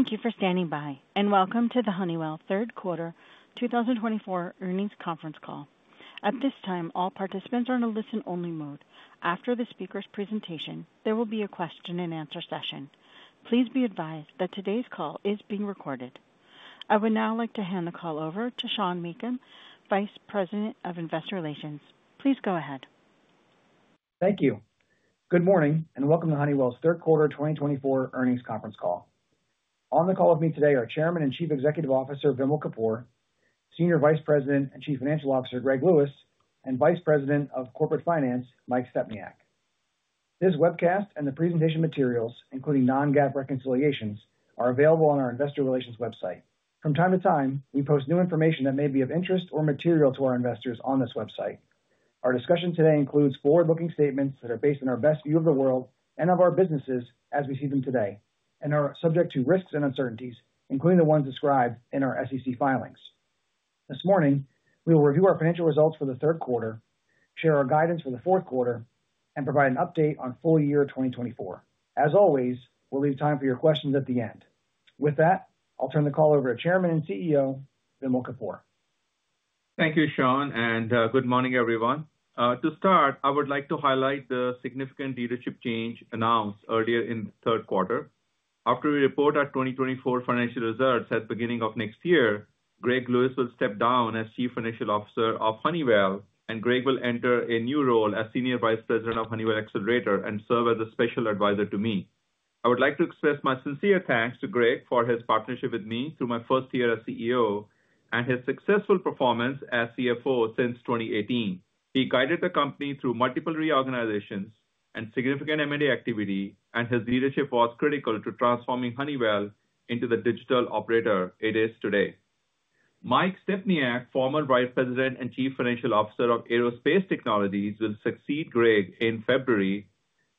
Thank you for standing by, and welcome to the Honeywell third quarter 2024 earnings conference call. At this time, all participants are in a listen-only mode. After the speaker's presentation, there will be a question-and-answer session. Please be advised that today's call is being recorded. I would now like to hand the call over to Sean Meakim, Vice President of Investor Relations. Please go ahead. Thank you. Good morning, and welcome to Honeywell's third quarter twenty twenty-four earnings conference call. On the call with me today are Chairman and Chief Executive Officer, Vimal Kapur, Senior Vice President and Chief Financial Officer, Greg Lewis, and Vice President of Corporate Finance, Mike Stepniak. This webcast and the presentation materials, including non-GAAP reconciliations, are available on our investor relations website. From time to time, we post new information that may be of interest or material to our investors on this website. Our discussion today includes forward-looking statements that are based on our best view of the world and of our businesses as we see them today, and are subject to risks and uncertainties, including the ones described in our SEC filings. This morning, we will review our financial results for the third quarter, share our guidance for the fourth quarter, and provide an update on full year 2024. As always, we'll leave time for your questions at the end. With that, I'll turn the call over to Chairman and CEO, Vimal Kapur. Thank you, Sean, and good morning, everyone. To start, I would like to highlight the significant leadership change announced earlier in the third quarter. After we report our 2024 financial results at the beginning of next year, Greg Lewis will step down as Chief Financial Officer of Honeywell, and Greg will enter a new role as Senior Vice President of Honeywell Accelerator and serve as a special advisor to me. I would like to express my sincere thanks to Greg for his partnership with me through my first year as CEO and his successful performance as CFO since 2018. He guided the company through multiple reorganizations and significant M&A activity, and his leadership was critical to transforming Honeywell into the digital operator it is today. Mike Stepniak, former Vice President and Chief Financial Officer of Aerospace Technologies, will succeed Greg in February.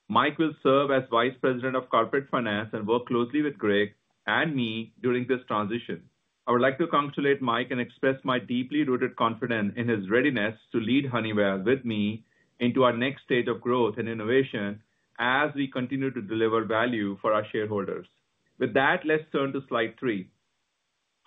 Mike will serve as Vice President of Corporate Finance and work closely with Greg and me during this transition. I would like to congratulate Mike and express my deeply rooted confidence in his readiness to lead Honeywell with me into our next stage of growth and innovation as we continue to deliver value for our shareholders. With that, let's turn to Slide three.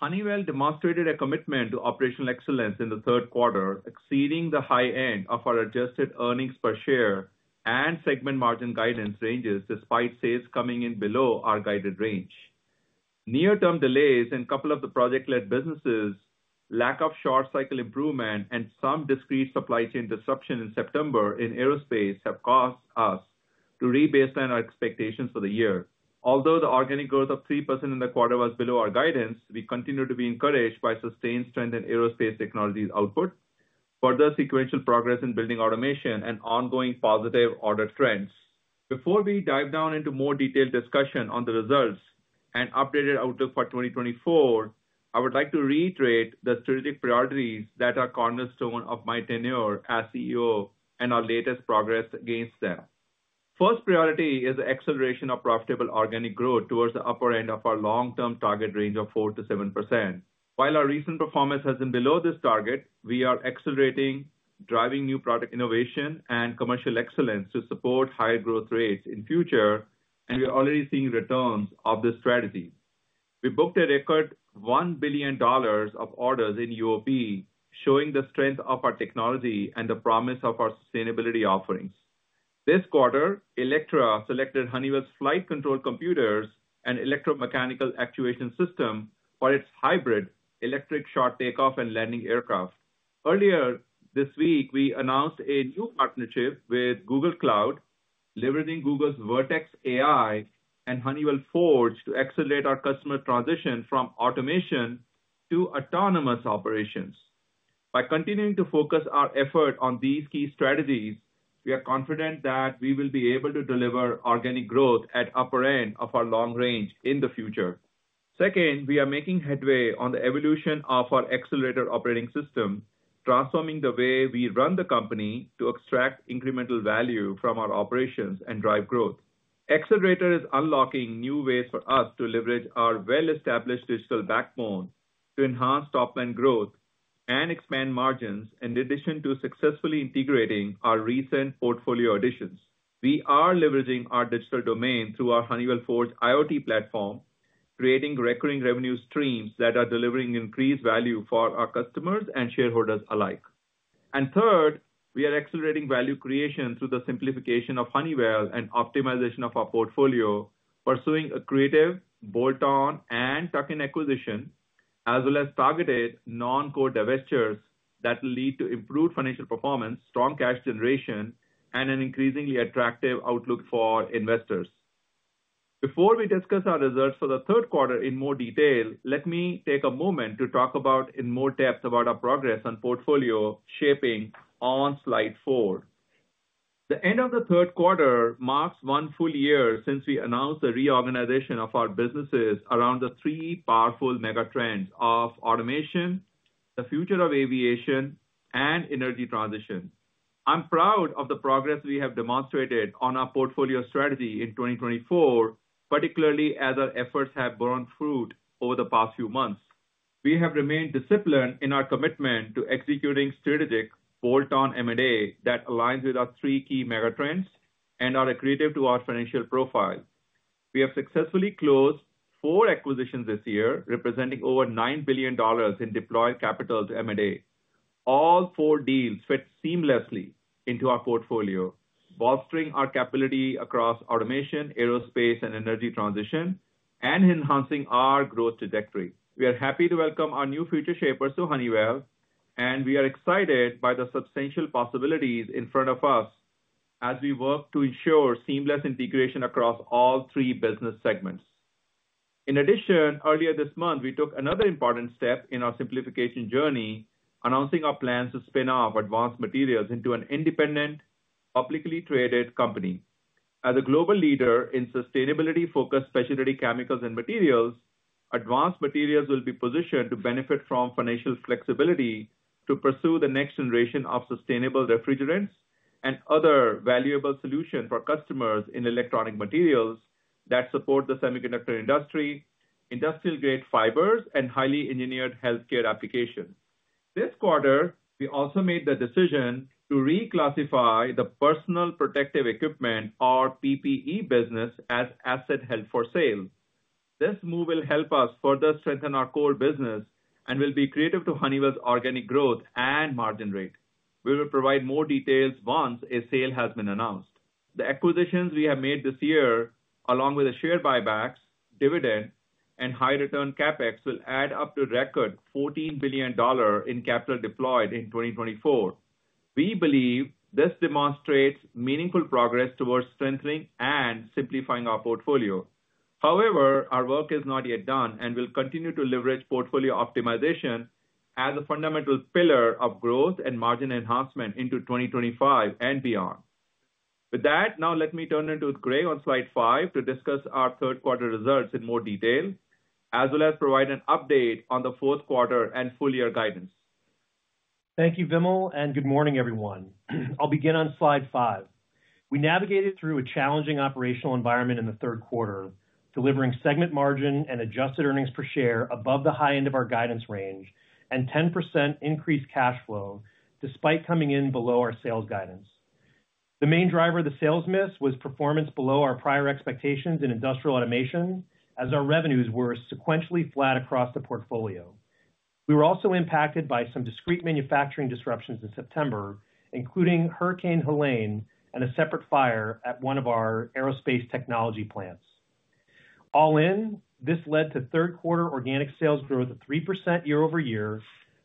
Honeywell demonstrated a commitment to operational excellence in the third quarter, exceeding the high end of our adjusted earnings per share and segment margin guidance ranges, despite sales coming in below our guided range. Near-term delays in a couple of the project-led businesses, lack of short cycle improvement, and some discrete supply chain disruption in September in Aerospace, have caused us to re-baseline our expectations for the year. Although the organic growth of 3% in the quarter was below our guidance, we continue to be encouraged by sustained strength in Aerospace Technologies output, further sequential progress in Building Automation, and ongoing positive order trends. Before we dive down into more detailed discussion on the results and updated outlook for 2024, I would like to reiterate the strategic priorities that are cornerstone of my tenure as CEO and our latest progress against them. First priority is the acceleration of profitable organic growth towards the upper end of our long-term target range of 4%-7%. While our recent performance has been below this target, we are accelerating, driving new product innovation and commercial excellence to support higher growth rates in future, and we are already seeing returns of this strategy. We booked a record $1 billion of orders in UOP, showing the strength of our technology and the promise of our sustainability offerings. This quarter, Electra selected Honeywell's flight control computers and electromechanical actuation system for its hybrid electric short takeoff and landing aircraft. Earlier this week, we announced a new partnership with Google Cloud, leveraging Google's Vertex AI and Honeywell Forge to accelerate our customer transition from automation to autonomous operations. By continuing to focus our effort on these key strategies, we are confident that we will be able to deliver organic growth at upper end of our long range in the future. Second, we are making headway on the evolution of our Accelerator operating system, transforming the way we run the company to extract incremental value from our operations and drive growth. Accelerator is unlocking new ways for us to leverage our well-established digital backbone to enhance top-line growth and expand margins, in addition to successfully integrating our recent portfolio additions. We are leveraging our digital domain through our Honeywell Forge IoT platform, creating recurring revenue streams that are delivering increased value for our customers and shareholders alike. And third, we are accelerating value creation through the simplification of Honeywell and optimization of our portfolio, pursuing accretive bolt-on and tuck-in acquisition, as well as targeted non-core divestitures that will lead to improved financial performance, strong cash generation, and an increasingly attractive outlook for investors. Before we discuss our results for the third quarter in more detail, let me take a moment to talk about... in more depth about our progress on portfolio shaping on Slide four. The end of the third quarter marks one full year since we announced the reorganization of our businesses around the three powerful megatrends of automation, the future of aviation, and energy transition. I'm proud of the progress we have demonstrated on our portfolio strategy in 2024, particularly as our efforts have borne fruit over the past few months. We have remained disciplined in our commitment to executing strategic bolt-on M&A that aligns with our three key megatrends and are accretive to our financial profile. We have successfully closed four acquisitions this year, representing over $9 billion in deployed capital to M&A. All four deals fit seamlessly into our portfolio, bolstering our capability across automation, Aerospace, and energy transition, and enhancing our growth trajectory. We are happy to welcome our new Futureshaper to Honeywell, and we are excited by the substantial possibilities in front of us as we work to ensure seamless integration across all three business segments. In addition, earlier this month, we took another important step in our simplification journey, announcing our plans to spin off Advanced Materials into an independent, publicly traded company. As a global leader in sustainability-focused specialty chemicals and materials, Advanced Materials will be positioned to benefit from financial flexibility to pursue the next generation of sustainable refrigerants and other valuable solutions for customers in electronic materials that support the semiconductor industry, industrial-grade fibers, and highly engineered healthcare applications. This quarter, we also made the decision to reclassify the Personal Protective Equipment, or PPE, business as assets held for sale. This move will help us further strengthen our core business and will be accretive to Honeywell's organic growth and margin rate. We will provide more details once a sale has been announced. The acquisitions we have made this year, along with the share buybacks, dividend, and high return CapEx, will add up to a record $14 billion in capital deployed in 2024. We believe this demonstrates meaningful progress towards strengthening and simplifying our portfolio. However, our work is not yet done, and we'll continue to leverage portfolio optimization as a fundamental pillar of growth and margin enhancement into 2025 and beyond. With that, now let me turn it to Greg on slide five to discuss our third quarter results in more detail, as well as provide an update on the fourth quarter and full year guidance. Thank you, Vimal, and good morning, everyone. I'll begin on slide five. We navigated through a challenging operational environment in the third quarter, delivering segment margin and adjusted earnings per share above the high end of our guidance range, and 10% increased cash flow, despite coming in below our sales guidance. The main driver of the sales miss was performance below our prior expectations in Industrial Automation, as our revenues were sequentially flat across the portfolio. We were also impacted by some discrete manufacturing disruptions in September, including Hurricane Helene and a separate fire at one of our Aerospace technology plants. All in, this led to third quarter organic sales growth of 3% year over year,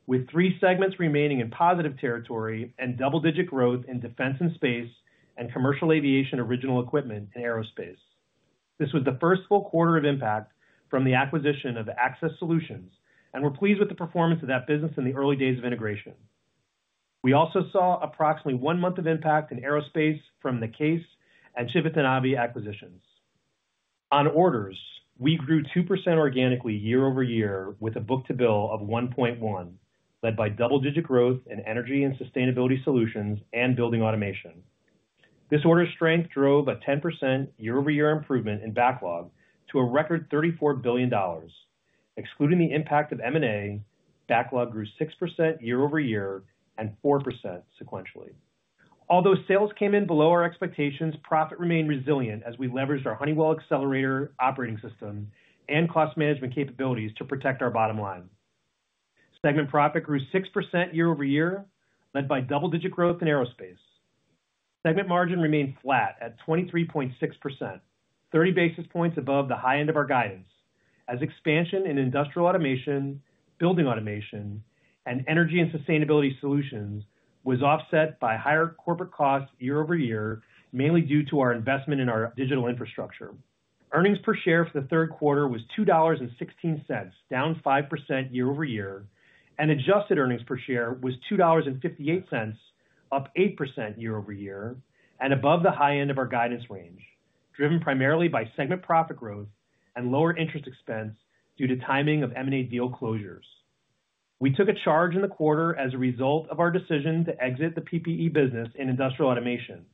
with three segments remaining in positive territory and double-digit growth in Defense and Space and Commercial Aviation, original equipment, and Aerospace. This was the first full quarter of impact from the acquisition of Access Solutions, and we're pleased with the performance of that business in the early days of integration. We also saw approximately one month of impact in Aerospace from the CAES and Civitanavi acquisitions. On orders, we grew 2% organically year over year, with a book-to-bill of 1.1, led by double-digit growth in Energy and Sustainability Solutions and Building Automation. This order strength drove a 10% year-over-year improvement in backlog to a record $34 billion. Excluding the impact of M&A, backlog grew 6% year over year and 4% sequentially. Although sales came in below our expectations, profit remained resilient as we leveraged our Honeywell Accelerator operating system and cost management capabilities to protect our bottom line. Segment profit grew 6% year over year, led by double-digit growth in Aerospace. Segment margin remained flat at 23.6%, 30 basis points above the high end of our guidance, as expansion in industrial automation, Building Automation, and Energy and Sustainability Solutions was offset by higher corporate costs year over year, mainly due to our investment in our digital infrastructure. Earnings per share for the third quarter was $2.16, down 5% year over year, and adjusted earnings per share was $2.58, up 8% year over year, and above the high end of our guidance range, driven primarily by segment profit growth and lower interest expense due to timing of M&A deal closures. We took a charge in the quarter as a result of our decision to exit the PPE business in industrial automation.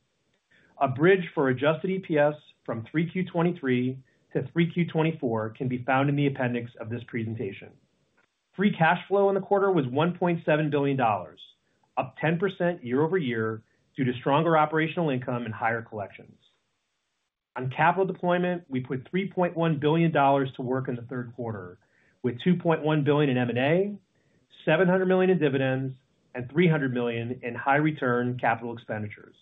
A bridge for adjusted EPS from 3Q 2023 to 3Q 2024 can be found in the appendix of this presentation. Free cash flow in the quarter was $1.7 billion, up 10% year over year, due to stronger operational income and higher collections. On capital deployment, we put $3.1 billion to work in the third quarter, with $2.1 billion in M&A, $700 million in dividends, and $300 million in high return capital expenditures.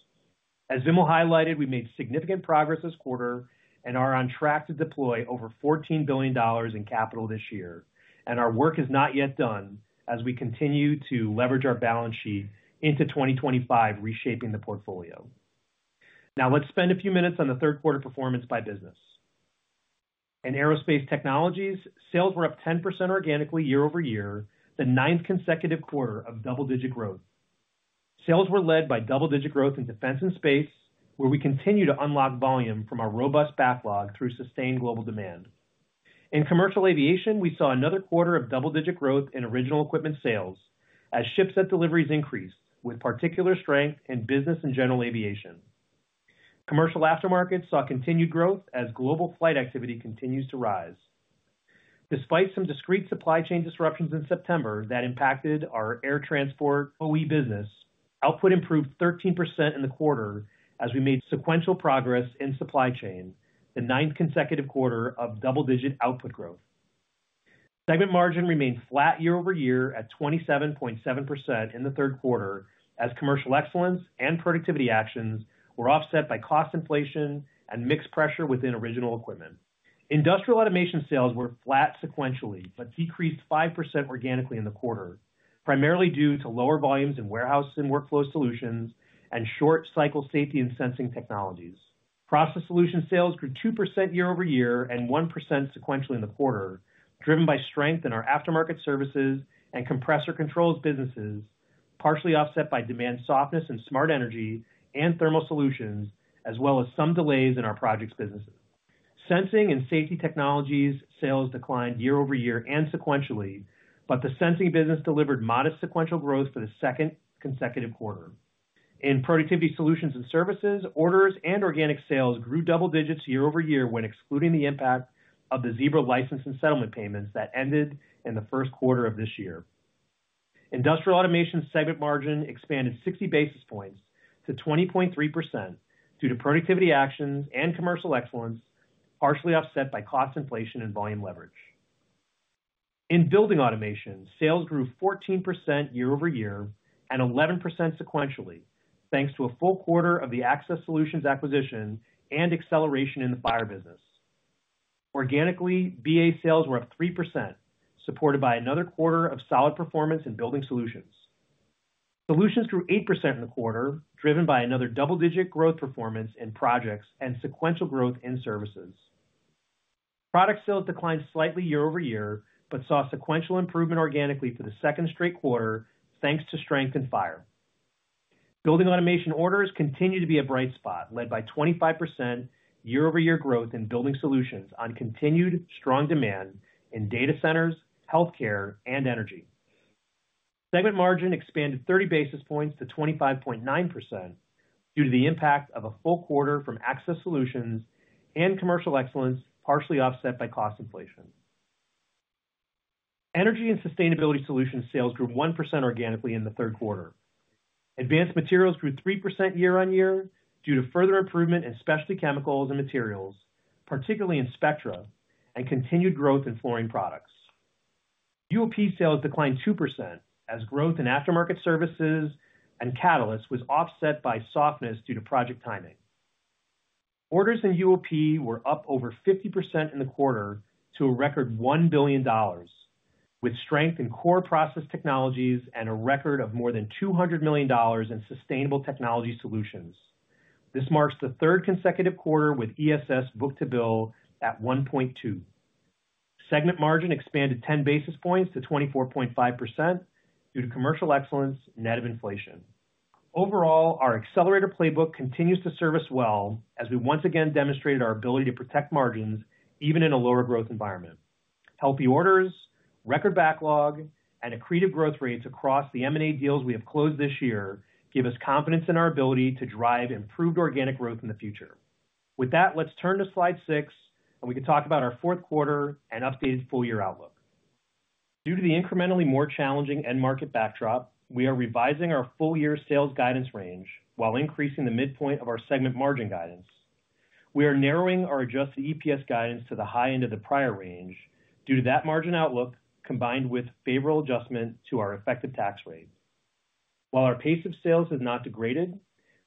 As Vimal highlighted, we made significant progress this quarter and are on track to deploy over $14 billion in capital this year, and our work is not yet done as we continue to leverage our balance sheet into 2025, reshaping the portfolio. Now, let's spend a few minutes on the third quarter performance by business. In Aerospace Technologies, sales were up 10% organically year over year, the ninth consecutive quarter of double-digit growth. Sales were led by double-digit growth in defense and space, where we continue to unlock volume from our robust backlog through sustained global demand. In Commercial Aviation, we saw another quarter of double-digit growth in original equipment sales as ship set deliveries increased, with particular strength in business and general aviation. Commercial aftermarket saw continued growth as global flight activity continues to rise. Despite some discrete supply chain disruptions in September that impacted our air transport OE business, output improved 13% in the quarter as we made sequential progress in supply chain, the ninth consecutive quarter of double-digit output growth. Segment margin remained flat year over year at 27.7% in the third quarter, as commercial excellence and productivity actions were offset by cost inflation and mixed pressure within original equipment. Industrial automation sales were flat sequentially, but decreased 5% organically in the quarter, primarily due to lower volumes in Warehouse and Workflow Solutions and short cycle safety and sensing technologies. Process solution sales grew 2% year over year and 1% sequentially in the quarter, driven by strength in our aftermarket services and compressor controls businesses, partially offset by demand softness and Smart Energy and Thermal Solutions, as well as some delays in our projects businesses. Sensing and Safety Technologies sales declined year over year and sequentially, but the sensing business delivered modest sequential growth for the second consecutive quarter. In productivity solutions and services, orders and organic sales grew double digits year over year when excluding the impact of the Zebra license and settlement payments that ended in the first quarter of this year. Industrial automation segment margin expanded 60 basis points to 20.3% due to productivity actions and commercial excellence, partially offset by cost inflation and volume leverage. In Building Automation, sales grew 14% year over year and 11% sequentially, thanks to a full quarter of the Access Solutions acquisition and acceleration in the fire business. Organically, BA sales were up 3%, supported by another quarter of solid performance in Building Solutions. Solutions grew 8% in the quarter, driven by another double-digit growth performance in projects and sequential growth in services. Product sales declined slightly year-over-year, but saw sequential improvement organically for the second straight quarter, thanks to strength in fire. Building automation orders continue to be a bright spot, led by 25% year-over-year growth in Building Solutions on continued strong demand in data centers, healthcare, and energy. Segment margin expanded 30 basis points to 25.9% due to the impact of a full quarter from Access Solutions and commercial excellence, partially offset by cost inflation. Energy and Sustainability Solutions sales grew 1% organically in the third quarter. Advanced Materials grew 3% year-over-year due to further improvement in specialty chemicals and materials, particularly in Spectra, and continued growth in flooring products. UOP sales declined 2%, as growth in aftermarket services and catalysts was offset by softness due to project timing. Orders in UOP were up over 50% in the quarter to a record $1 billion, with strength in core process technologies and a record of more than $200 million in sustainable technology solutions. This marks the third consecutive quarter with ESS book-to-bill at 1.2. Segment margin expanded 10 basis points to 24.5% due to commercial excellence, net of inflation. Overall, our accelerator playbook continues to serve us well, as we once again demonstrated our ability to protect margins even in a lower growth environment. Healthy orders, record backlog, and accretive growth rates across the M&A deals we have closed this year give us confidence in our ability to drive improved organic growth in the future. With that, let's turn to slide 6, and we can talk about our fourth quarter and updated full year outlook. Due to the incrementally more challenging end market backdrop, we are revising our full year sales guidance range while increasing the midpoint of our segment margin guidance. We are narrowing our adjusted EPS guidance to the high end of the prior range due to that margin outlook, combined with favorable adjustment to our effective tax rate. While our pace of sales has not degraded,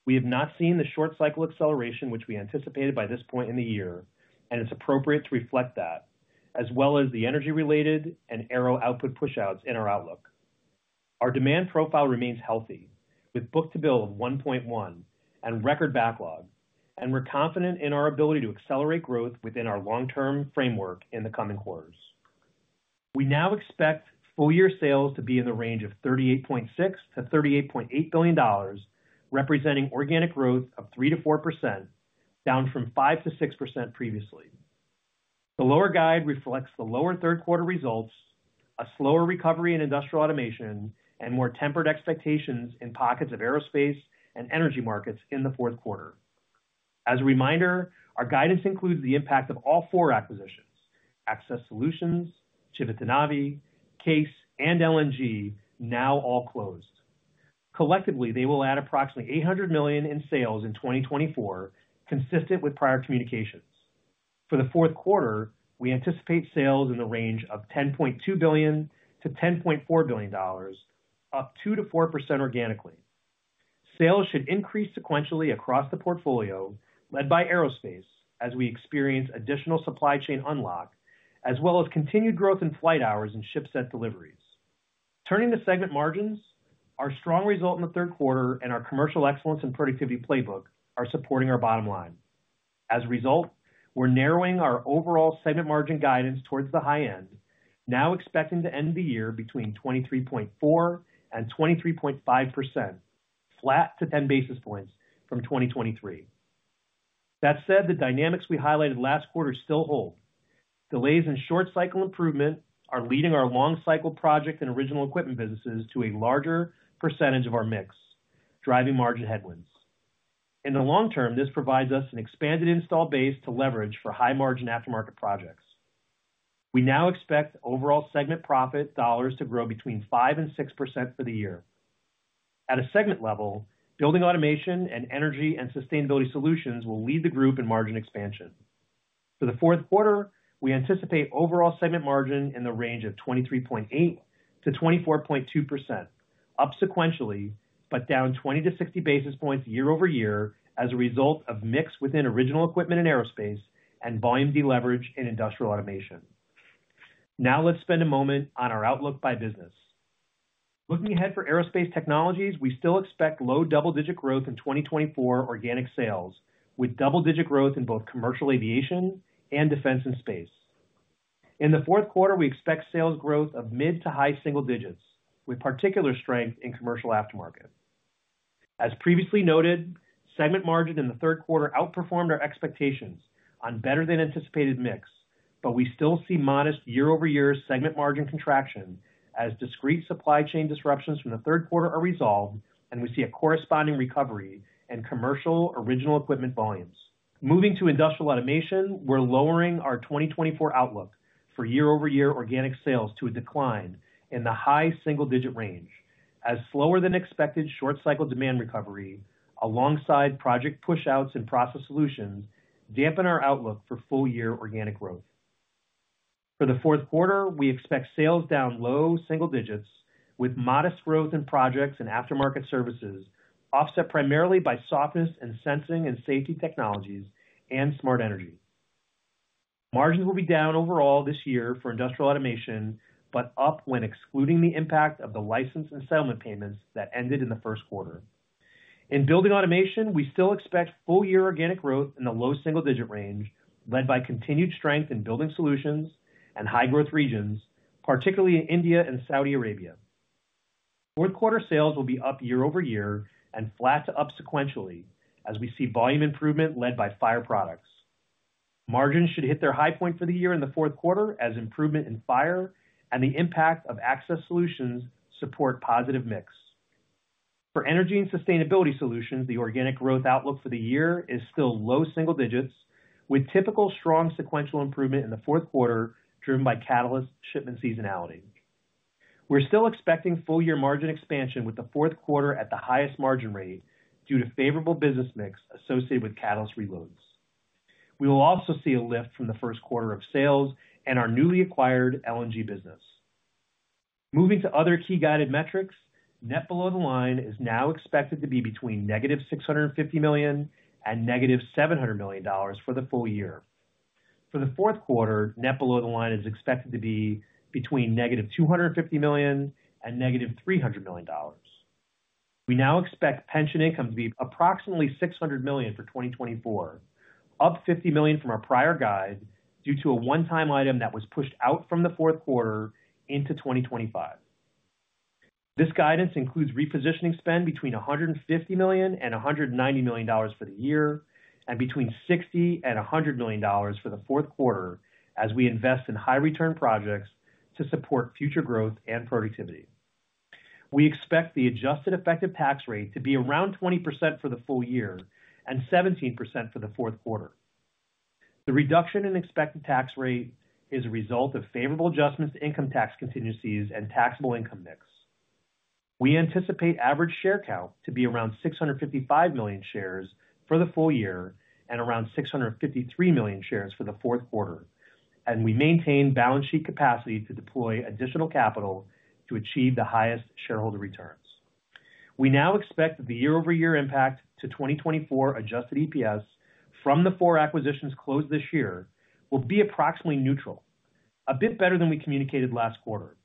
we have not seen the short cycle acceleration, which we anticipated by this point in the year, and it's appropriate to reflect that, as well as the energy-related and aero output pushouts in our outlook. Our demand profile remains healthy, with book-to-bill of 1.1 and record backlog, and we're confident in our ability to accelerate growth within our long-term framework in the coming quarters. We now expect full year sales to be in the range of $38.6-$38.8 billion, representing organic growth of 3%-4%, down from 5%-6% previously. The lower guide reflects the lower third quarter results, a slower recovery in industrial automation, and more tempered expectations in pockets of Aerospace and energy markets in the fourth quarter. As a reminder, our guidance includes the impact of all four acquisitions: Access Solutions, Civitanavi, CAES, and LNG, now all closed. Collectively, they will add approximately $800 million in sales in 2024, consistent with prior communications. For the fourth quarter, we anticipate sales in the range of $10.2-$10.4 billion, up 2%-4% organically. Sales should increase sequentially across the portfolio, led by aerospace, as we experience additional supply chain unlock, as well as continued growth in flight hours and ship set deliveries. Turning to segment margins, our strong result in the third quarter and our commercial excellence and productivity playbook are supporting our bottom line. As a result, we're narrowing our overall segment margin guidance towards the high end, now expecting to end the year between 23.4% and 23.5%, flat to 10 basis points from 2023. That said, the dynamics we highlighted last quarter still hold. Delays in short cycle improvement are leading our long cycle project and original equipment businesses to a larger percentage of our mix, driving margin headwinds. In the long term, this provides us an expanded install base to leverage for high-margin aftermarket projects. We now expect overall segment profit dollars to grow between 5% and 6% for the year. At a segment level, Building Automation and Energy and Sustainability Solutions will lead the group in margin expansion. For the fourth quarter, we anticipate overall segment margin in the range of 23.8% - 24.2%, up sequentially, but down 20 - 60 basis points year over year as a result of mix within original equipment and Aerospace and volume deleverage in Industrial Automation. Now let's spend a moment on our outlook by business. Looking ahead for Aerospace Technologies, we still expect low double-digit growth in 2024 organic sales, with double-digit growth in both Commercial Aviation and defense and space. In the fourth quarter, we expect sales growth of mid to high single digits, with particular strength in commercial aftermarket. As previously noted, segment margin in the third quarter outperformed our expectations on better-than-anticipated mix, but we still see modest year-over-year segment margin contraction as discrete supply chain disruptions from the third quarter are resolved, and we see a corresponding recovery in commercial original equipment volumes. Moving to Industrial Automation, we're lowering our 2024 outlook for year-over-year organic sales to a decline in the high single-digit range, as slower-than-expected short cycle demand recovery, alongside project pushouts and Process Solutions, dampen our outlook for full-year organic growth. For the fourth quarter, we expect sales down low single digits, with modest growth in projects and aftermarket services, offset primarily by softness in Sensing and Safety Technologies and Smart Energy. Margins will be down overall this year for Industrial Automation, but up when excluding the impact of the license and settlement payments that ended in the first quarter. In Building Automation, we still expect full-year organic growth in the low single-digit range, led by continued strength in building solutions and high-growth regions, particularly in India and Saudi Arabia. Fourth quarter sales will be up year-over-year and flat to up sequentially, as we see volume improvement led by fire products. Margins should hit their high point for the year in the fourth quarter, as improvement in fire and the impact of access solutions support positive mix. For energy and sustainability solutions, the organic growth outlook for the year is still low single digits, with typical strong sequential improvement in the fourth quarter, driven by catalyst shipment seasonality. We're still expecting full-year margin expansion, with the fourth quarter at the highest margin rate due to favorable business mix associated with catalyst reloads. We will also see a lift from the first quarter of sales and our newly acquired LNG business. Moving to other key guided metrics, net below the line is now expected to be between negative $650 million and negative $700 million dollars for the full year. For the fourth quarter, net below the line is expected to be between negative $250 million and negative $300 million dollars. We now expect pension income to be approximately $600 million for 2024, up $50 million from our prior guide, due to a one-time item that was pushed out from the fourth quarter into 2025. This guidance includes repositioning spend between $150 million and $190 million for the year, and between $60 million and $100 million for the fourth quarter as we invest in high-return projects to support future growth and productivity. We expect the adjusted effective tax rate to be around 20% for the full year and 17% for the fourth quarter. The reduction in expected tax rate is a result of favorable adjustments to income tax contingencies and taxable income mix. We anticipate average share count to be around 655 million shares for the full year and around 653 million shares for the fourth quarter, and we maintain balance sheet capacity to deploy additional capital to achieve the highest shareholder returns. We now expect that the year-over-year impact to 2024 adjusted EPS from the four acquisitions closed this year will be approximately neutral, a bit better than we communicated last quarter.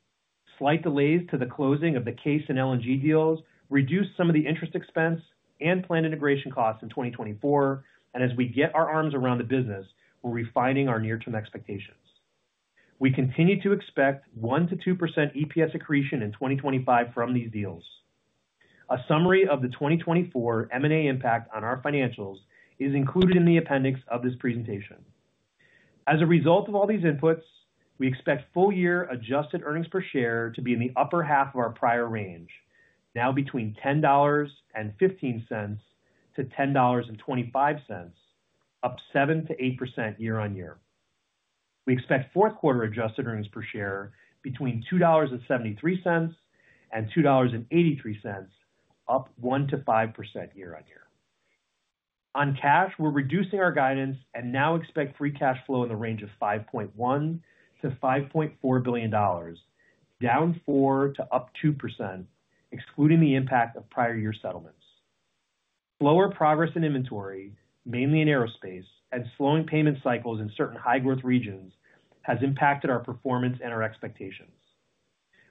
Slight delays to the closing of the CAES and LNG deals reduced some of the interest expense and planned integration costs in twenty twenty-four, and as we get our arms around the business, we're refining our near-term expectations. We continue to expect 1-2% EPS accretion in 2025 from these deals. A summary of the twenty twenty-four M&A impact on our financials is included in the appendix of this presentation. As a result of all these inputs, we expect full-year adjusted earnings per share to be in the upper half of our prior range, now between $10.15 to $10.25, up 7-8% year on year. We expect fourth quarter adjusted earnings per share between $2.73 and $2.83, up 1%-5% year on year. On cash, we're reducing our guidance and now expect free cash flow in the range of $5.1-$5.4 billion, down 4% to up 2%, excluding the impact of prior year settlements. Slower progress in inventory, mainly in Aerospace and slowing payment cycles in certain high-growth regions, has impacted our performance and our expectations.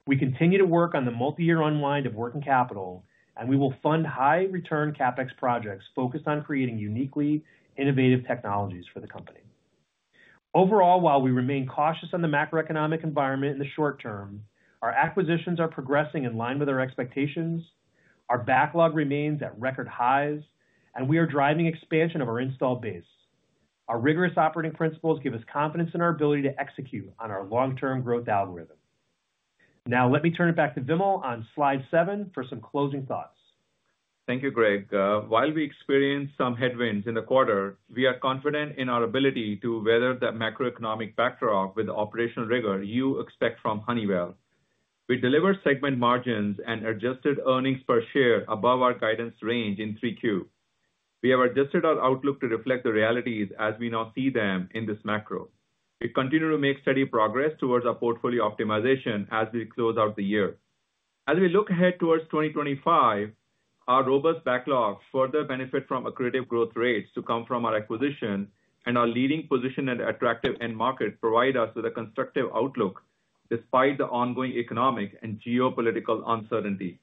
We continue to work on the multi-year unwind of working capital, and we will fund high-return CapEx projects focused on creating uniquely innovative technologies for the company. Overall, while we remain cautious on the macroeconomic environment in the short term, our acquisitions are progressing in line with our expectations. Our backlog remains at record highs, and we are driving expansion of our installed base. Our rigorous operating principles give us confidence in our ability to execute on our long-term growth algorithm. Now, let me turn it back to Vimal on slide seven for some closing thoughts. Thank you, Greg. While we experienced some headwinds in the quarter, we are confident in our ability to weather the macroeconomic backdrop with the operational rigor you expect from Honeywell. We delivered segment margins and adjusted earnings per share above our guidance range in 3Q. We have adjusted our outlook to reflect the realities as we now see them in this macro. We continue to make steady progress towards our portfolio optimization as we close out the year. As we look ahead towards 2025, our robust backlogs further benefit from accretive growth rates to come from our acquisition, and our leading position and attractive end market provide us with a constructive outlook, despite the ongoing economic and geopolitical uncertainty.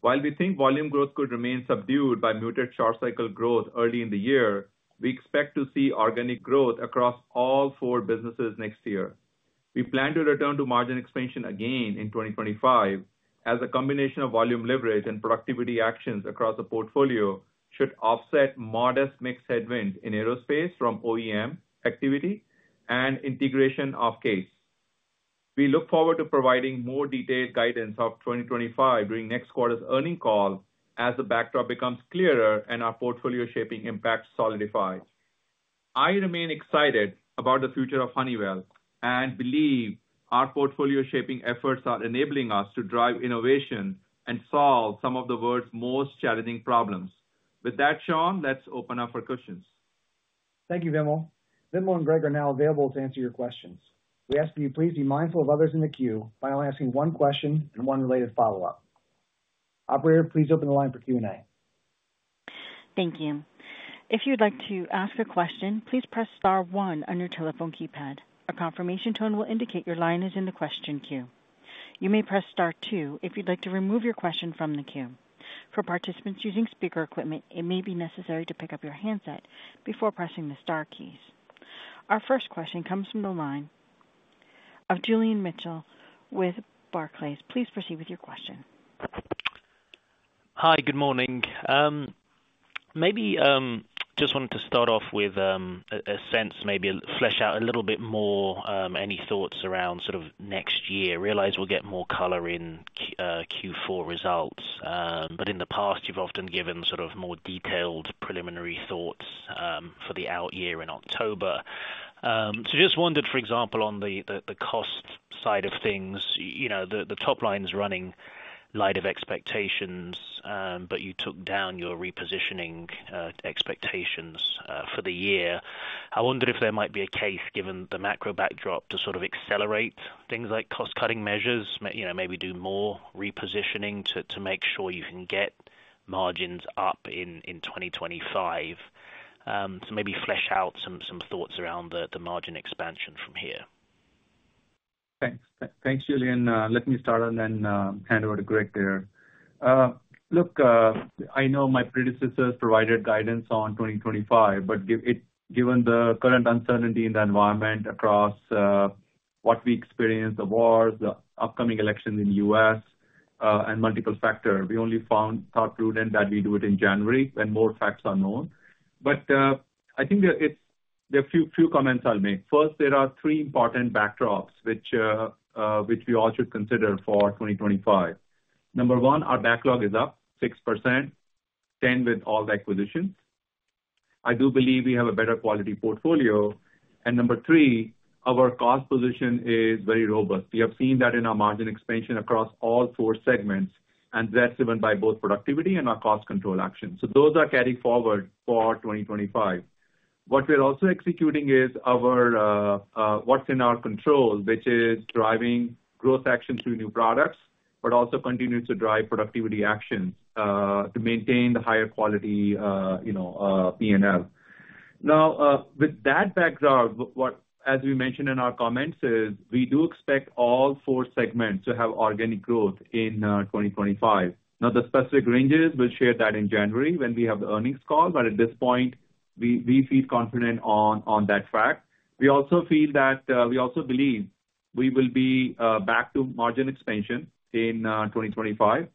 While we think volume growth could remain subdued by muted short cycle growth early in the year, we expect to see organic growth across all four businesses next year. We plan to return to margin expansion again in 2025, as a combination of volume leverage and productivity actions across the portfolio should offset modest mix headwind in Aerospace from OEM activity and integration of CAES. We look forward to providing more detailed guidance of 2025 during next quarter's earnings call as the backdrop becomes clearer and our portfolio shaping impact solidifies. I remain excited about the future of Honeywell, and believe our portfolio shaping efforts are enabling us to drive innovation and solve some of the world's most challenging problems. With that, Sean, let's open up for questions. Thank you, Vimal. Vimal and Greg are now available to answer your questions. We ask that you please be mindful of others in the queue by only asking one question and one related follow-up. Operator, please open the line for Q&A. Thank you. If you'd like to ask a question, please press star one on your telephone keypad. A confirmation tone will indicate your line is in the question queue. You may press star two if you'd like to remove your question from the queue. For participants using speaker equipment, it may be necessary to pick up your handset before pressing the star keys. Our first question comes from the line of Julian Mitchell with Barclays. Please proceed with your question. Hi, good morning. Maybe just wanted to start off with a sense, maybe flesh out a little bit more any thoughts around sort of next year. Realize we'll get more color in Q4 results, but in the past, you've often given sort of more detailed preliminary thoughts for the out year in October. So just wondered, for example, on the cost side of things, you know, the top line's running light of expectations, but you took down your repositioning expectations for the year. I wonder if there might be a case, given the macro backdrop, to sort of accelerate things like cost-cutting measures, you know, maybe do more repositioning to make sure you can get margins up in twenty twenty-five. So maybe flesh out some thoughts around the margin expansion from here. Thanks. Thanks, Julian. Let me start and then hand over to Greg there. Look, I know my predecessors provided guidance on 2025, but given the current uncertainty in the environment across what we experienced, the wars, the upcoming election in the U.S., and multiple factors, we only thought it prudent that we do it in January, when more facts are known. But I think there, it's. There are a few comments I'll make. First, there are three important backdrops, which we all should consider for 2025. Number one, our backlog is up 6%, 10% with all the acquisitions. I do believe we have a better quality portfolio, and number three, our cost position is very robust. We have seen that in our margin expansion across all four segments, and that's driven by both productivity and our cost control actions. So those are carrying forward for 2025. What we're also executing is our, what's in our control, which is driving growth actions through new products, but also continuing to drive productivity actions, to maintain the higher quality, you know, PNL. Now, with that backdrop, what, as we mentioned in our comments, is we do expect all four segments to have organic growth in, 2025. Now, the specific ranges, we'll share that in January when we have the earnings call, but at this point, we feel confident on that track. We also feel that, we also believe we will be, back to margin expansion in, twenty twenty-five,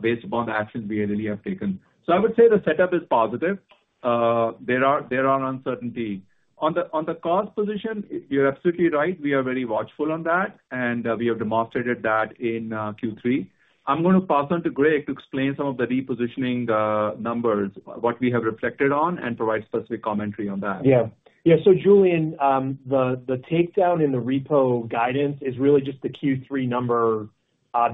based upon the actions we already have taken. So I would say the setup is positive. There are uncertainty. On the cost position, you're absolutely right, we are very watchful on that, and, we have demonstrated that in, Q3. I'm going to pass on to Greg to explain some of the repositioning, numbers, what we have reflected on, and provide specific commentary on that. Yeah. Yeah, so Julian, the takedown in the repositioning guidance is really just the Q3 number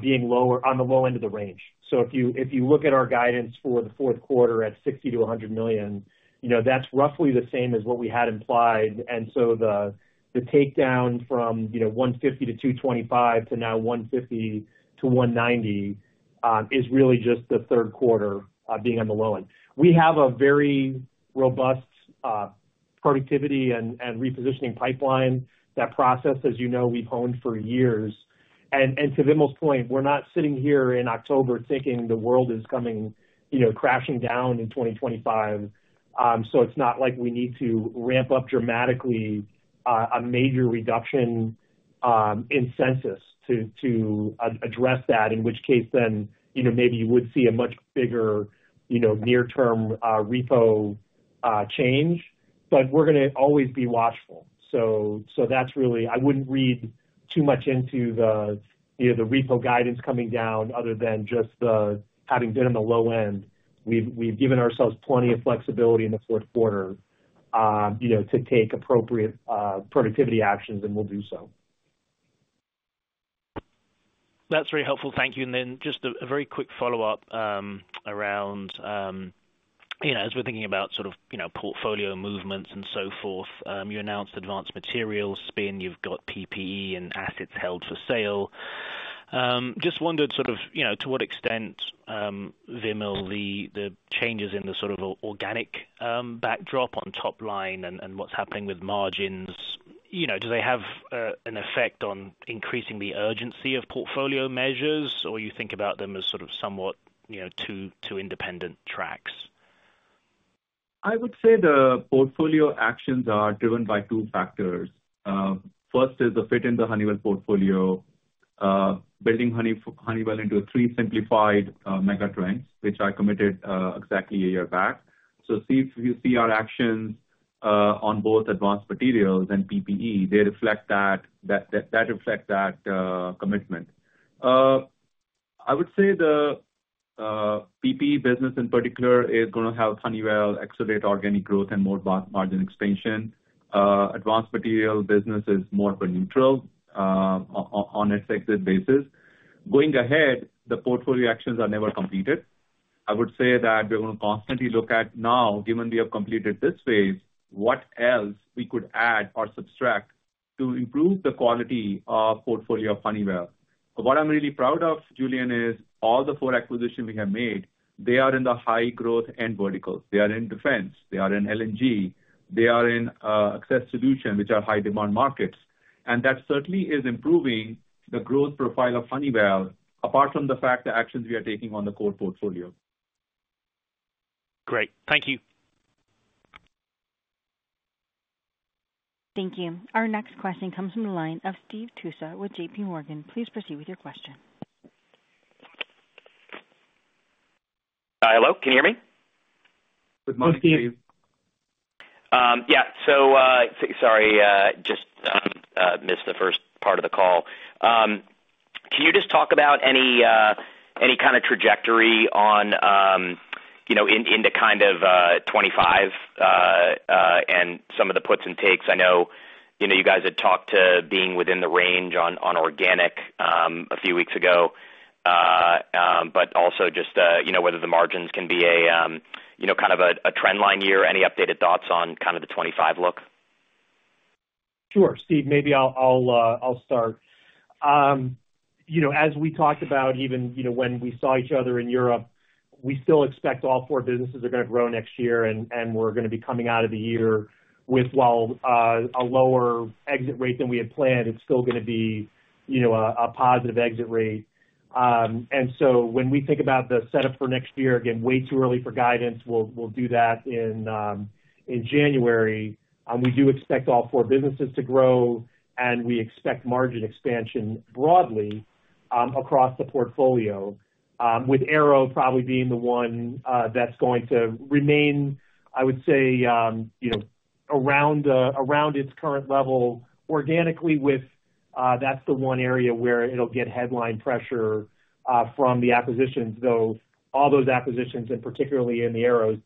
being lower, on the low end of the range. So if you look at our guidance for the fourth quarter at $60-$100 million, you know, that's roughly the same as what we had implied, and so the takedown from, you know, $150-$225 million to now $150-$190 million is really just the third quarter being on the low end. We have a very robust productivity and repositioning pipeline. That process, as you know, we've honed for years. And to Vimal's point, we're not sitting here in October thinking the world is coming, you know, crashing down in 2025. So it's not like we need to ramp up dramatically, a major reduction in capex to address that, in which case then, you know, maybe you would see a much bigger, you know, near-term repositioning change, but we're gonna always be watchful. So that's really, I wouldn't read too much into the, you know, the repositioning guidance coming down other than just the, having been in the low end. We've given ourselves plenty of flexibility in the fourth quarter, you know, to take appropriate productivity actions, and we'll do so. That's very helpful. Thank you. And then just a very quick follow-up around, you know, as we're thinking about sort of, you know, portfolio movements and so forth, you announced Advanced Materials spin, you've got PPE and assets held for sale. Just wondered sort of, you know, to what extent, Vimal, the changes in the sort of organic backdrop on top line and what's happening with margins, you know, do they have an effect on increasing the urgency of portfolio measures, or you think about them as sort of somewhat, you know, two independent tracks? I would say the portfolio actions are driven by two factors. First is the fit in the Honeywell portfolio, building Honeywell into three simplified mega trends, which I committed exactly a year back. So, if you see our actions on both advanced materials and PPE, they reflect that, that reflects that commitment. I would say the PPE business in particular is gonna help Honeywell accelerate organic growth and more margin expansion. Advanced material business is more of a neutral on an exit basis. Going ahead, the portfolio actions are never completed. I would say that we're gonna constantly look at now, given we have completed this phase, what else we could add or subtract to improve the quality of portfolio of Honeywell. What I'm really proud of, Julian, is all the four acquisitions we have made. They are in the high growth end verticals. They are in defense, they are in LNG, they are in access solution, which are high demand markets. And that certainly is improving the growth profile of Honeywell, apart from the fact the actions we are taking on the core portfolio. Great. Thank you. Thank you. Our next question comes from the line of Steve Tusa with J.P. Morgan. Please proceed with your question. Hello, can you hear me? Good morning, Steve. Hi, Steve. Yeah, so, sorry, just missed the first part of the call. Can you just talk about any kind of trajectory on, you know, into kind of 25, and some of the puts and takes? I know, you know, you guys had talked to being within the range on organic a few weeks ago. But also just, you know, whether the margins can be a kind of a trend line year. Any updated thoughts on kind of the 25 look? Sure, Steve, maybe I'll start. You know, as we talked about, even, you know, when we saw each other in Europe, we still expect all four businesses are gonna grow next year, and we're gonna be coming out of the year with, while, a lower exit rate than we had planned, it's still gonna be, you know, a positive exit rate. And so when we think about the setup for next year, again, way too early for guidance, we'll do that in January. We do expect all four businesses to grow, and we expect margin expansion broadly across the portfolio, with Aero probably being the one that's going to remain, I would say, you know, around its current level organically. That's the one area where it'll get headline pressure from the acquisitions, though all those acquisitions, and particularly in the Aero's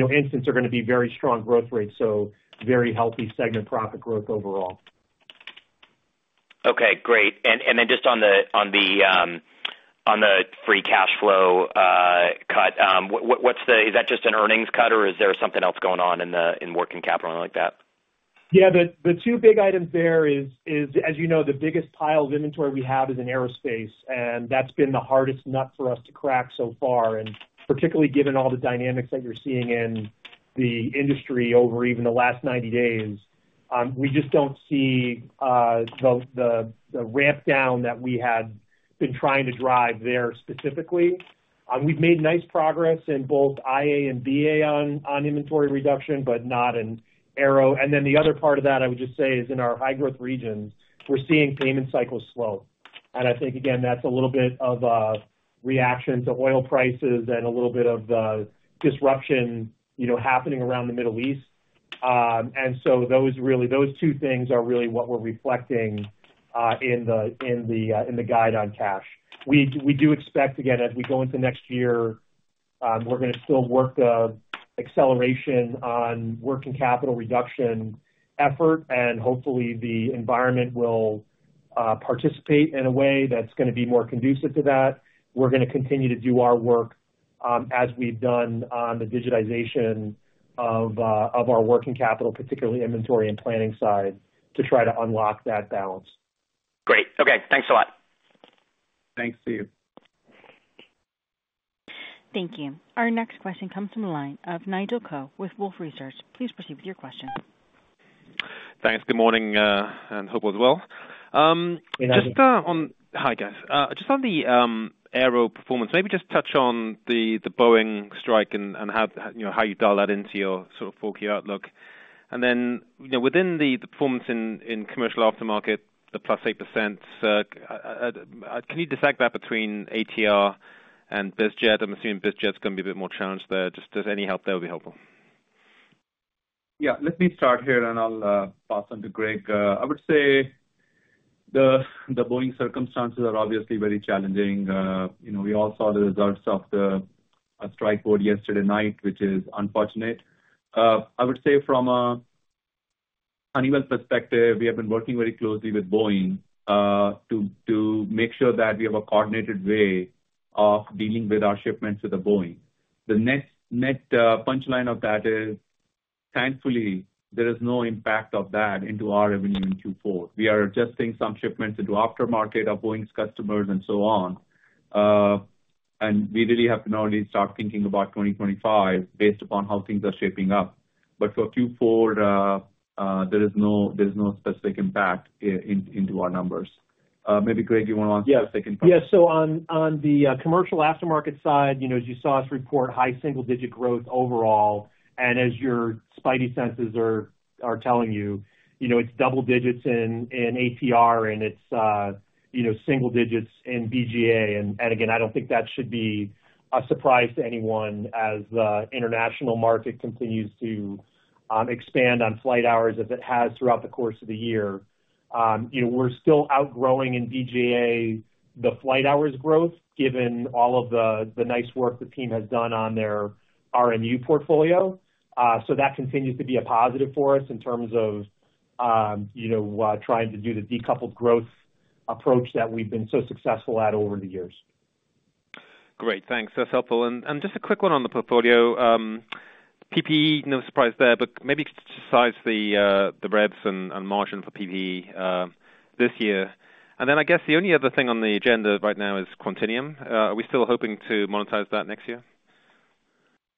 instance, are gonna be very strong growth rates, so very healthy segment profit growth overall. Okay, great. And then just on the free cash flow cut, what's the... Is that just an earnings cut, or is there something else going on in the working capital, or anything like that? Yeah, the two big items there is, as you know, the biggest pile of inventory we have is in aerospace, and that's been the hardest nut for us to crack so far. And particularly given all the dynamics that you're seeing in the industry over even the last ninety days, we just don't see the ramp down that we had been trying to drive there specifically. We've made nice progress in both IA and BA on inventory reduction, but not in Aero. And then the other part of that, I would just say, is in our high growth regions, we're seeing payment cycles slow. And I think, again, that's a little bit of a reaction to oil prices and a little bit of disruption, you know, happening around the Middle East. And so those really, those two things are really what we're reflecting in the guide on cash. We do expect, again, as we go into next year, we're gonna still work the acceleration on working capital reduction effort, and hopefully, the environment will participate in a way that's gonna be more conducive to that. We're gonna continue to do our work, as we've done on the digitization of our working capital, particularly inventory and planning side, to try to unlock that balance. Great. Okay, thanks a lot. Thanks, Steve. Thank you. Our next question comes from the line of Nigel Coe with Wolfe Research. Please proceed with your question. Thanks. Good morning, and hope all is well. Good morning. Hi, guys. Just on the Aero performance, maybe just touch on the Boeing strike and how, you know, how you dial that into your sort of full year outlook. And then, you know, within the performance in commercial aftermarket, the plus 8%, can you dissect that between ATR and BizJet? I'm assuming BizJet is gonna be a bit more challenged there. Just any help there will be helpful. Yeah. Let me start here, and I'll pass on to Greg. I would say the Boeing circumstances are obviously very challenging. You know, we all saw the results of the strike vote yesterday night, which is unfortunate. I would say from a Honeywell perspective, we have been working very closely with Boeing to make sure that we have a coordinated way of dealing with our shipments with the Boeing. The next punchline of that is, thankfully, there is no impact of that into our revenue in Q4. We are adjusting some shipments into aftermarket, our Boeing's customers, and so on. And we really have to now really start thinking about 2025 based upon how things are shaping up. But for Q4, there is no, there's no specific impact into our numbers. Maybe, Greg, you wanna answer the second part? Yeah. Yeah, so on the commercial aftermarket side, you know, as you saw us report high single-digit growth overall, and as your spidey senses are telling you, you know, it's double digits in ATR, and it's, you know, single digits in BGA. And again, I don't think that should be a surprise to anyone as the international market continues to expand on flight hours as it has throughout the course of the year. You know, we're still outgrowing in BGA the flight hours growth, given all of the nice work the team has done on their RMU portfolio. So that continues to be a positive for us in terms of, you know, trying to do the decoupled growth approach that we've been so successful at over the years. Great, thanks. That's helpful. And just a quick one on the portfolio. PPE, no surprise there, but maybe just size the revs and margin for PPE this year. And then I guess the only other thing on the agenda right now is Quantinuum. Are we still hoping to monetize that next year?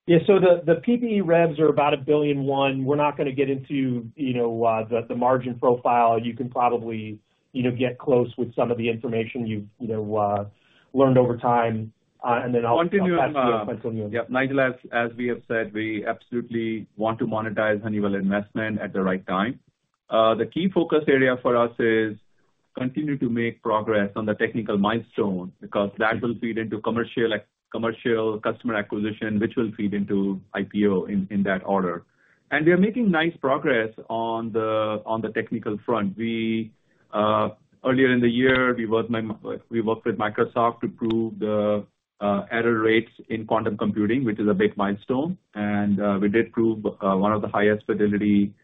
Yeah, so the PPE revs are about $1.001 billion. We're not gonna get into, you know, the margin profile. You can probably, you know, get close with some of the information you've, you know, learned over time. And then I'll- Quantinuum, Nigel, as we have said, we absolutely want to monetize Honeywell investment at the right time. The key focus area for us is continue to make progress on the technical milestone, because that will feed into commercial customer acquisition, which will feed into IPO in that order. And we are making nice progress on the technical front. We earlier in the year, we worked with Microsoft to prove the error rates in quantum computing, which is a big milestone, and we did prove one of the highest fidelity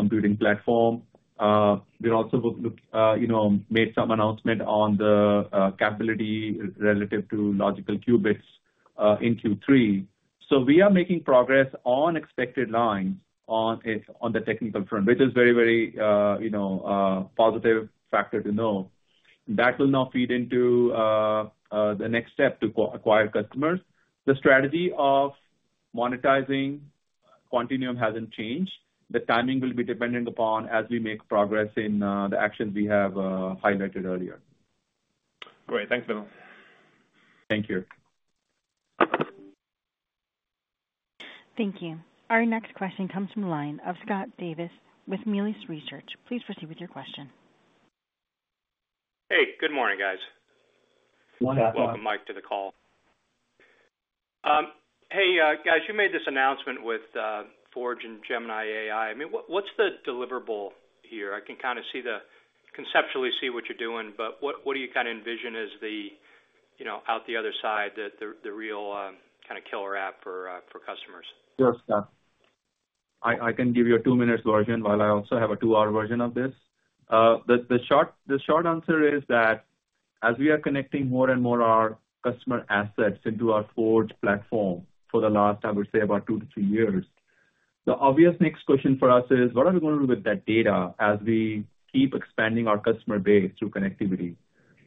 computing platform. We also you know made some announcement on the capability relative to logical qubits in Q3. So we are making progress on expected lines on it, on the technical front, which is very, very, you know, positive factor to know. That will now feed into the next step, to acquire customers. The strategy of monetizing Quantinuum hasn't changed. The timing will be dependent upon as we make progress in the actions we have highlighted earlier. Great. Thanks, Vimal. Thank you. Thank you. Our next question comes from the line of Scott Davis with Melius Research. Please proceed with your question. Hey, good morning, guys. Good morning, Scott. Welcome, Mike, to the call. Hey, guys, you made this announcement with Forge and Gemini AI. I mean, what's the deliverable here? I can kind of see conceptually what you're doing, but what do you kind of envision is the, you know, out the other side, the real kind of killer app for customers? Sure, Scott. I can give you a two-minute version while I also have a two-hour version of this. The short answer is that as we are connecting more and more our customer assets into our Forge platform for the last, I would say, about two to three years, the obvious next question for us is: What are we going to do with that data as we keep expanding our customer base through connectivity?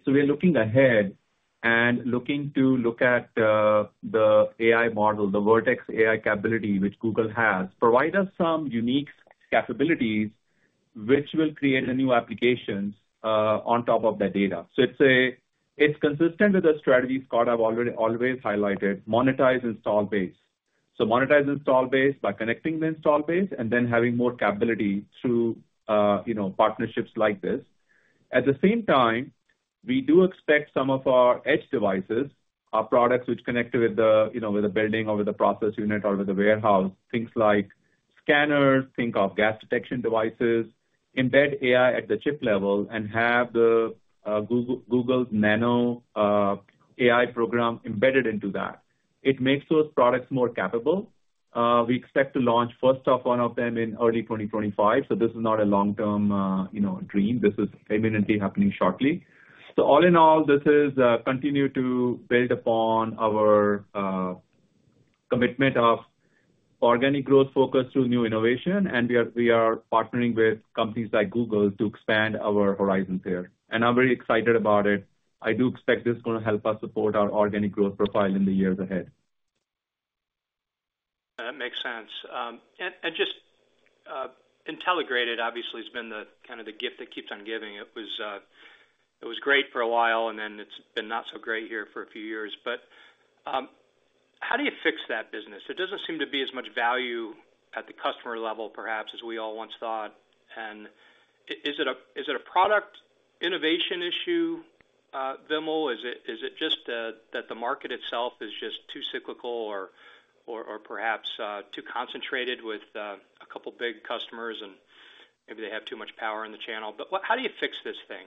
So we are looking ahead and looking at the AI model, the Vertex AI capability, which Google has, provide us some unique capabilities which will create a new applications on top of that data. So it's consistent with the strategy, Scott, I've already always highlighted, monetize install base. So monetize install base by connecting the install base and then having more capability through, you know, partnerships like this. At the same time, we do expect some of our edge devices, our products which connect with the, you know, with the building or with the process unit or with the warehouse, things like scanners, think of gas detection devices, embed AI at the chip level and have Google's nano AI program embedded into that. It makes those products more capable. We expect to launch, first off, one of them in early 2025, so this is not a long-term, you know, dream. This is imminently happening shortly. So all in all, continue to build upon our commitment of organic growth focus through new innovation, and we are partnering with companies like Google to expand our horizons here, and I'm very excited about it. I do expect this is gonna help us support our organic growth profile in the years ahead. That makes sense. And just Intelligrated obviously has been the kind of the gift that keeps on giving. It was great for a while, and then it's been not so great here for a few years, but how do you fix that business? There doesn't seem to be as much value at the customer level, perhaps, as we all once thought, and is it a product innovation issue, Vimal? Is it just that the market itself is just too cyclical or perhaps too concentrated with a couple big customers, and maybe they have too much power in the channel, but what, how do you fix this thing?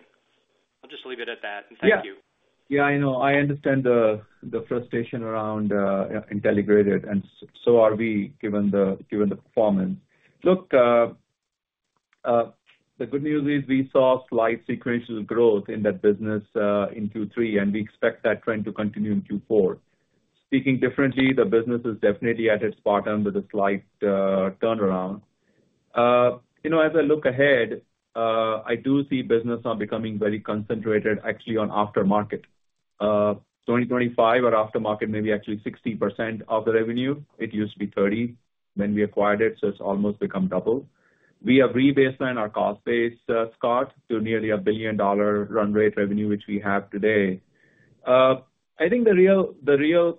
I'll just leave it at that. Thank you. Yeah. Yeah, I know. I understand the frustration around Intelligrated, and so are we, given the performance. Look, the good news is we saw slight sequential growth in that business in Q3, and we expect that trend to continue in Q4. Speaking differently, the business is definitely at its bottom with a slight turnaround. You know, as I look ahead, I do see business now becoming very concentrated actually on aftermarket. 2025 our aftermarket may be actually 60% of the revenue. It used to be 30% when we acquired it, so it's almost become double. We have rebaselined our cost base, Scott, to nearly $1 billion run rate revenue, which we have today. I think the real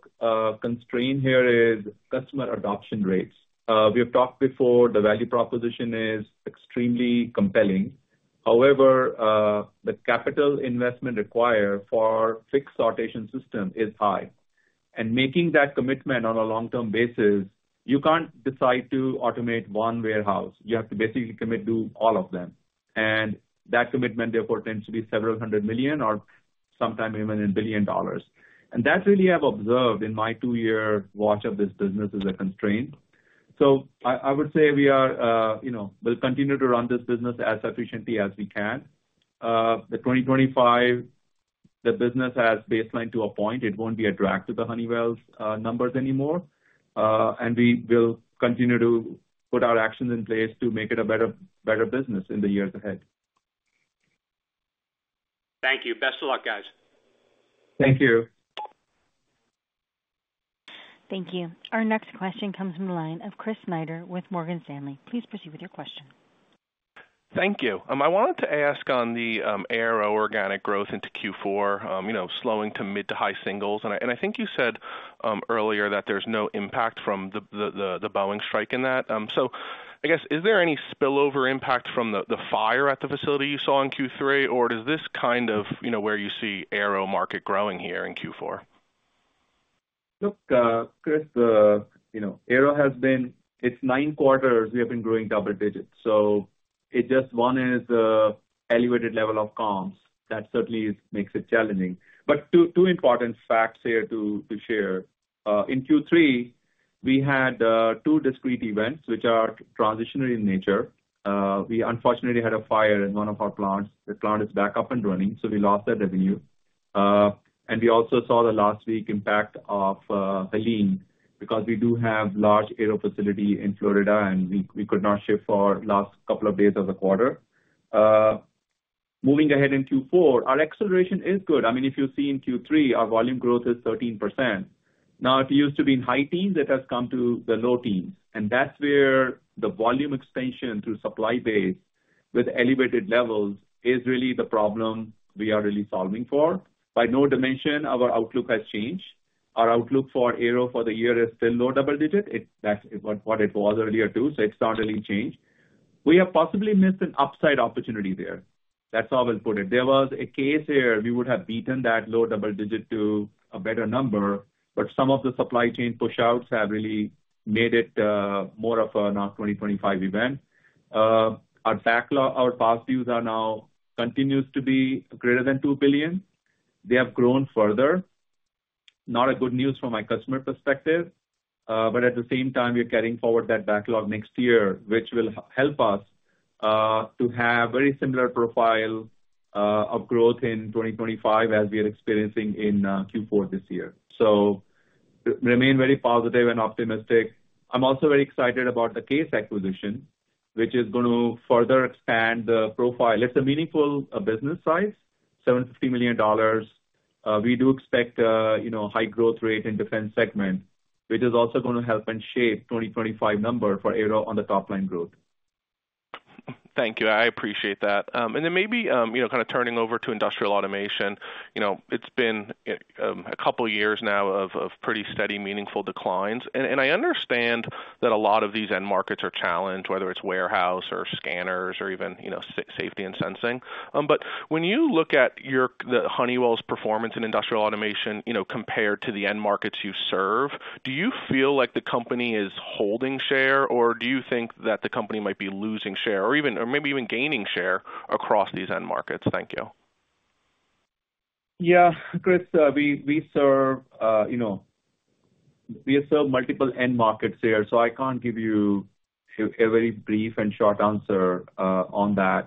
constraint here is customer adoption rates. We have talked before, the value proposition is extremely compelling. However, the capital investment required for fixed sortation system is high, and making that commitment on a long-term basis, you can't decide to automate one warehouse. You have to basically commit to all of them, and that commitment, therefore, tends to be several $100 million or sometimes even a $1 billion. And that's really I've observed in my two-year watch of this business as a constraint. So I would say we are, you know, we'll continue to run this business as efficiently as we can. 2025, the business has baselined to a point. It won't be a drag to the Honeywell's numbers anymore, and we will continue to put our actions in place to make it a better business in the years ahead. Thank you. Best of luck, guys. Thank you. Thank you. Our next question comes from the line of Chris Snyder with Morgan Stanley. Please proceed with your question. Thank you. I wanted to ask on the Aero organic growth into Q4, you know, slowing to mid to high singles. And I think you said earlier that there's no impact from the Boeing strike in that. So I guess, is there any spillover impact from the fire at the facility you saw in Q3, or does this kind of, you know, where you see Aero market growing here in Q4? Look, Chris, you know, Aero has been... It's nine quarters, we have been growing double digits, so it just one is elevated level of claims. That certainly makes it challenging. But two important facts here to share. In Q3, we had two discrete events which are transitory in nature. We unfortunately had a fire in one of our plants. The plant is back up and running, so we lost that revenue. And we also saw the last week impact of Helene, because we do have large aero facility in Florida, and we could not ship for last couple of days of the quarter. Moving ahead in Q4, our acceleration is good. I mean, if you see in Q3, our volume growth is 13%. Now, it used to be in high teens, it has come to the low teens, and that's where the volume expansion through supply base with elevated levels is really the problem we are really solving for. By no dimension, our outlook has changed. Our outlook for Aero for the year is still low double digit. It's that's what it was earlier, too, so it's not really changed. We have possibly missed an upside opportunity there. That's how I will put it. There was a case where we would have beaten that low double digit to a better number, but some of the supply chain pushouts have really made it more of a now 2025 event. Our backlog, our past dues are now continues to be greater than $2 billion. They have grown further. Not a good news from a customer perspective, but at the same time, we are carrying forward that backlog next year, which will help us to have very similar profile of growth in 2025 as we are experiencing in Q4 this year, so remain very positive and optimistic. I'm also very excited about the CAES acquisition, which is going to further expand the profile. It's a meaningful business size, $750 million. We do expect, you know, high growth rate in defense segment, which is also going to help and shape 2025 number for Aero on the top line growth. Thank you. I appreciate that. Then maybe, you know, kind of turning over to Industrial Automation, you know, it's been a couple of years now of pretty steady, meaningful declines. I understand that a lot of these end markets are challenged, whether it's warehouse or scanners or even, you know, safety and sensing. But when you look at Honeywell's performance in Industrial Automation, you know, compared to the end markets you serve, do you feel like the company is holding share, or do you think that the company might be losing share, or maybe even gaining share across these end markets? Thank you. Yeah, Chris, we serve multiple end markets here, so I can't give you a very brief and short answer on that.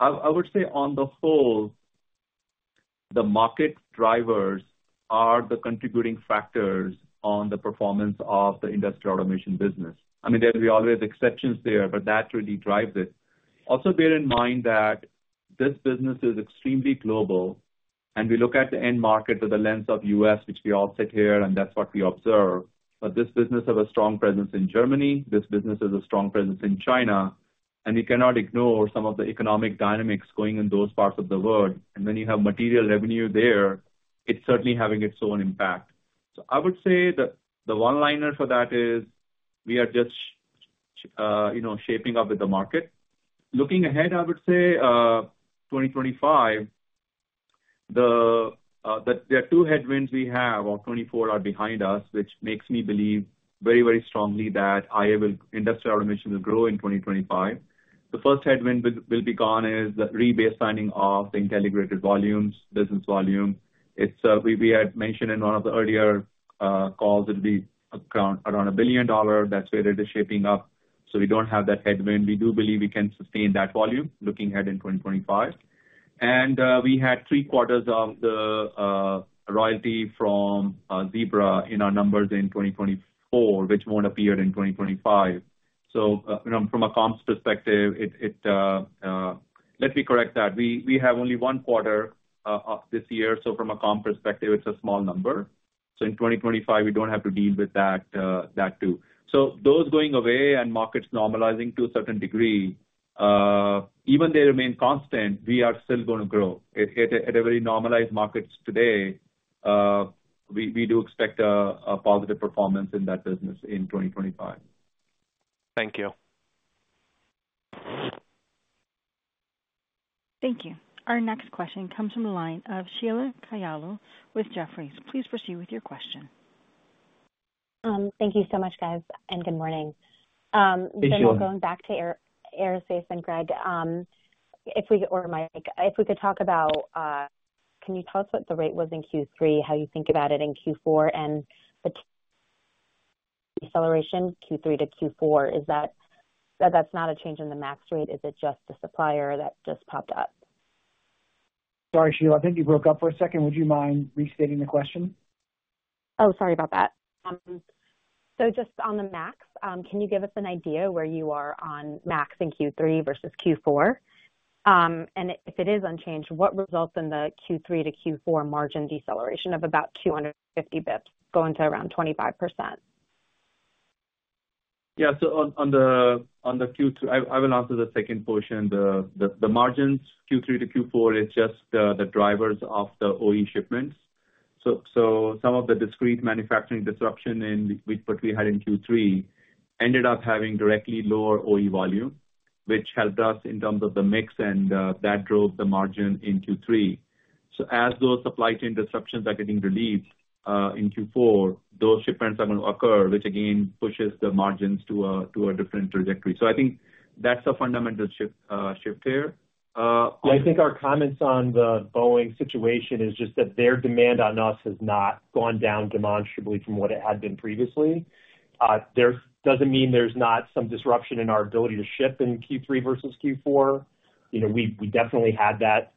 I would say on the whole, the market drivers are the contributing factors on the performance of the Industrial Automation business. I mean, there will be always exceptions there, but that really drives it. Also, bear in mind that this business is extremely global, and we look at the end market through the lens of U.S., which we all sit here, and that's what we observe. But this business has a strong presence in Germany. This business has a strong presence in China and you cannot ignore some of the economic dynamics going in those parts of the world. And when you have material revenue there, it's certainly having its own impact. So I would say the one-liner for that is we are just, you know, shaping up with the market. Looking ahead, I would say, 2025, there are two headwinds we have of 2024 are behind us, which makes me believe very, very strongly that IA will Industrial Automation will grow in 2025. The first headwind will be gone is the re-baselining of the intelligrated volumes, business volume. It's, we had mentioned in one of the earlier, calls, it'll be around $1 billion. That's where it is shaping up, so we don't have that headwind. We do believe we can sustain that volume looking ahead in 2025. And, we had three quarters of the, royalty from, Zebra in our numbers in 2024, which won't appear in 2025. From a comps perspective, let me correct that. We have only one quarter of this year, so from a comp perspective, it's a small number. So in 2025, we don't have to deal with that, too. So those going away and markets normalizing to a certain degree, even they remain constant, we are still gonna grow. At a very normalized markets today, we do expect a positive performance in that business in 2025. Thank you. Thank you. Our next question comes from the line of Sheila Kahyaoglu with Jefferies. Please proceed with your question. Thank you so much, guys, and good morning. Hey, Sheila. Going back to air, aerospace and Greg, if we or Mike, if we could talk about, can you tell us what the rate was in Q3, how you think about it in Q4 and the deceleration Q3 to Q4? Is that, that's not a change in the MAX rate, is it just a supplier that just popped up? Sorry, Sheila, I think you broke up for a second. Would you mind restating the question? Oh, sorry about that, so just on the MAX, can you give us an idea where you are on MAX in Q3 versus Q4? And if it is unchanged, what results in the Q3 to Q4 margin deceleration of about 250 basis points going to around 25%? Yeah. So on the Q2... I will answer the second portion. The margins Q3 to Q4 is just the drivers of the OE shipments. So some of the discrete manufacturing disruption in which what we had in Q3 ended up having directly lower OE volume, which helped us in terms of the mix, and that drove the margin in Q3. So as those supply chain disruptions are getting relieved in Q4, those shipments are going to occur, which again pushes the margins to a different trajectory. So I think that's a fundamental shift here on- I think our comments on the Boeing situation is just that their demand on us has not gone down demonstrably from what it had been previously. There's doesn't mean there's not some disruption in our ability to ship in Q3 versus Q4. You know, we definitely had that,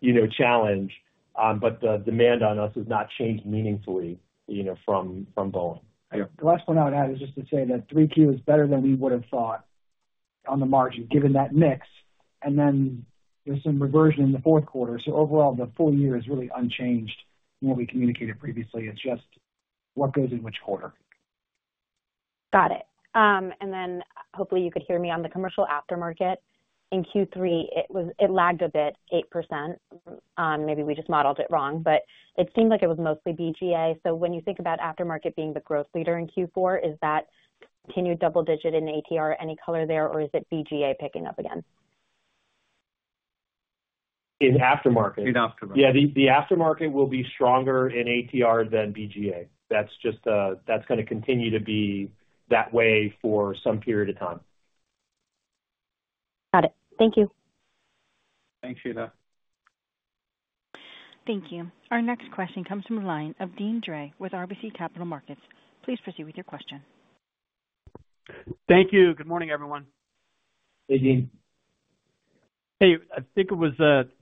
you know, challenge, but the demand on us has not changed meaningfully, you know, from Boeing. The last one I would add is just to say that 3Q is better than we would have thought on the margin, given that mix, and then there's some reversion in the fourth quarter. So overall, the full year is really unchanged from what we communicated previously. It's just what goes in which quarter. Got it. And then hopefully, you could hear me on the commercial aftermarket. In Q3, it was, it lagged a bit, 8%. Maybe we just modeled it wrong, but it seemed like it was mostly BGA. So when you think about aftermarket being the growth leader in Q4, is that continued double-digit in ATR, any color there, or is it BGA picking up again? In aftermarket? In aftermarket. Yeah, the aftermarket will be stronger in ATR than BGA. That's gonna continue to be that way for some period of time. Got it. Thank you. Thanks, Sheila. Thank you. Our next question comes from a line of Deane Dray with RBC Capital Markets. Please proceed with your question. Thank you. Good morning, everyone. Hey, Deane. Hey, I think it was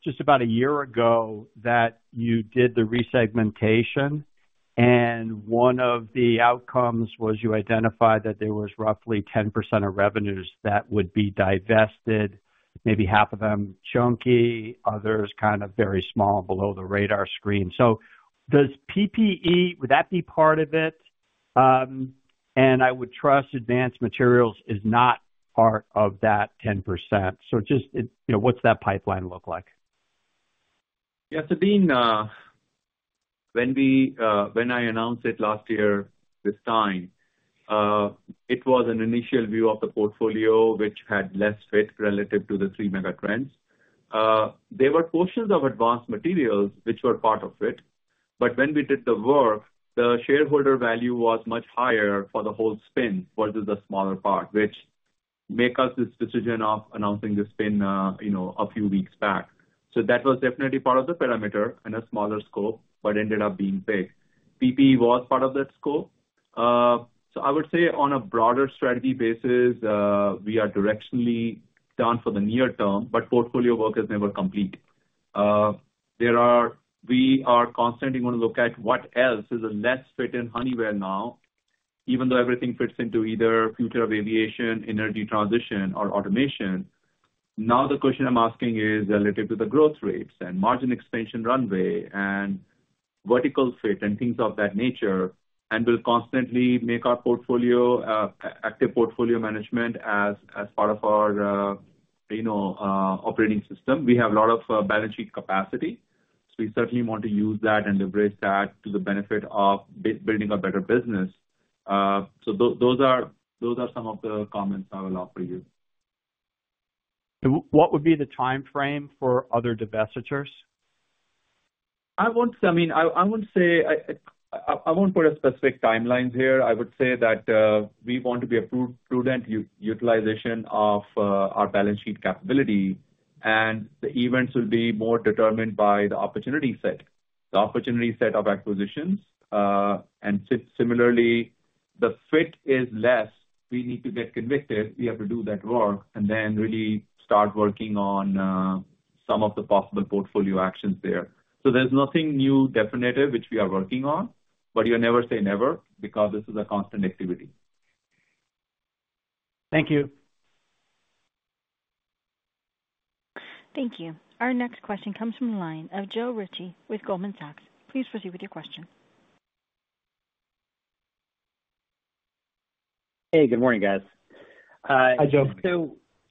just about a year ago that you did the resegmentation, and one of the outcomes was you identified that there was roughly 10% of revenues that would be divested, maybe half of them chunky, others kind of very small, below the radar screen. So does PPE, would that be part of it? And I would trust Advanced Materials is not part of that 10%. So just, you know, what's that pipeline look like? Yeah, so Dean, when we, when I announced it last year this time, it was an initial view of the portfolio, which had less fit relative to the three mega trends. There were portions of Advanced Materials which were part of it, but when we did the work, the shareholder value was much higher for the whole spin versus the smaller part, which make us this decision of announcing the spin, you know, a few weeks back. So that was definitely part of the parameter and a smaller scope, but ended up being big. PPE was part of that scope. So I would say on a broader strategy basis, we are directionally down for the near term, but portfolio work is never complete. We are constantly going to look at what else is a less fit in Honeywell now, even though everything fits into either future of aviation, energy transition, or automation. Now the question I'm asking is related to the growth rates and margin expansion runway and vertical fit and things of that nature, and we'll constantly make our portfolio active portfolio management as part of our, you know, operating system. We have a lot of balance sheet capacity, so we certainly want to use that and leverage that to the benefit of building a better business. So those are some of the comments I will offer you. So what would be the timeframe for other divestitures? I won't, I mean, I won't say I won't put a specific timelines here. I would say that we want to be a prudent utilization of our balance sheet capability, and the events will be more determined by the opportunity set, the opportunity set of acquisitions. And similarly, the fit is less. We need to get convicted, we have to do that work, and then really start working on some of the possible portfolio actions there. There's nothing new definitive, which we are working on, but you never say never, because this is a constant activity. Thank you. Thank you. Our next question comes from the line of Joe Ritchie with Goldman Sachs. Please proceed with your question. Hey, good morning, guys. Hi, Joe.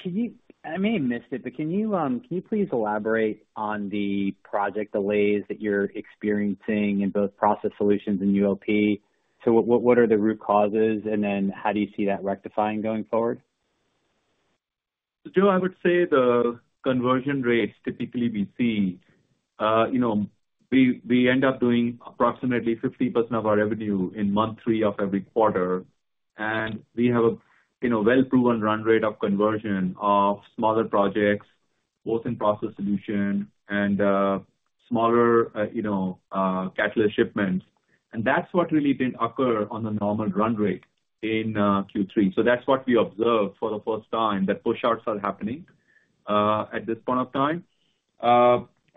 Can you... I may have missed it, but can you please elaborate on the project delays that you're experiencing in both Process Solutions and UOP? What are the root causes, and then how do you see that rectifying going forward? So Joe, I would say the conversion rates, typically we see, you know, we end up doing approximately 50% of our revenue in month three of every quarter, and we have a, you know, well-proven run rate of conversion of smaller projects, both in process solution and smaller, you know, catalyst shipments. And that's what really didn't occur on the normal run rate in Q3. So that's what we observed for the first time, that push outs are happening at this point of time.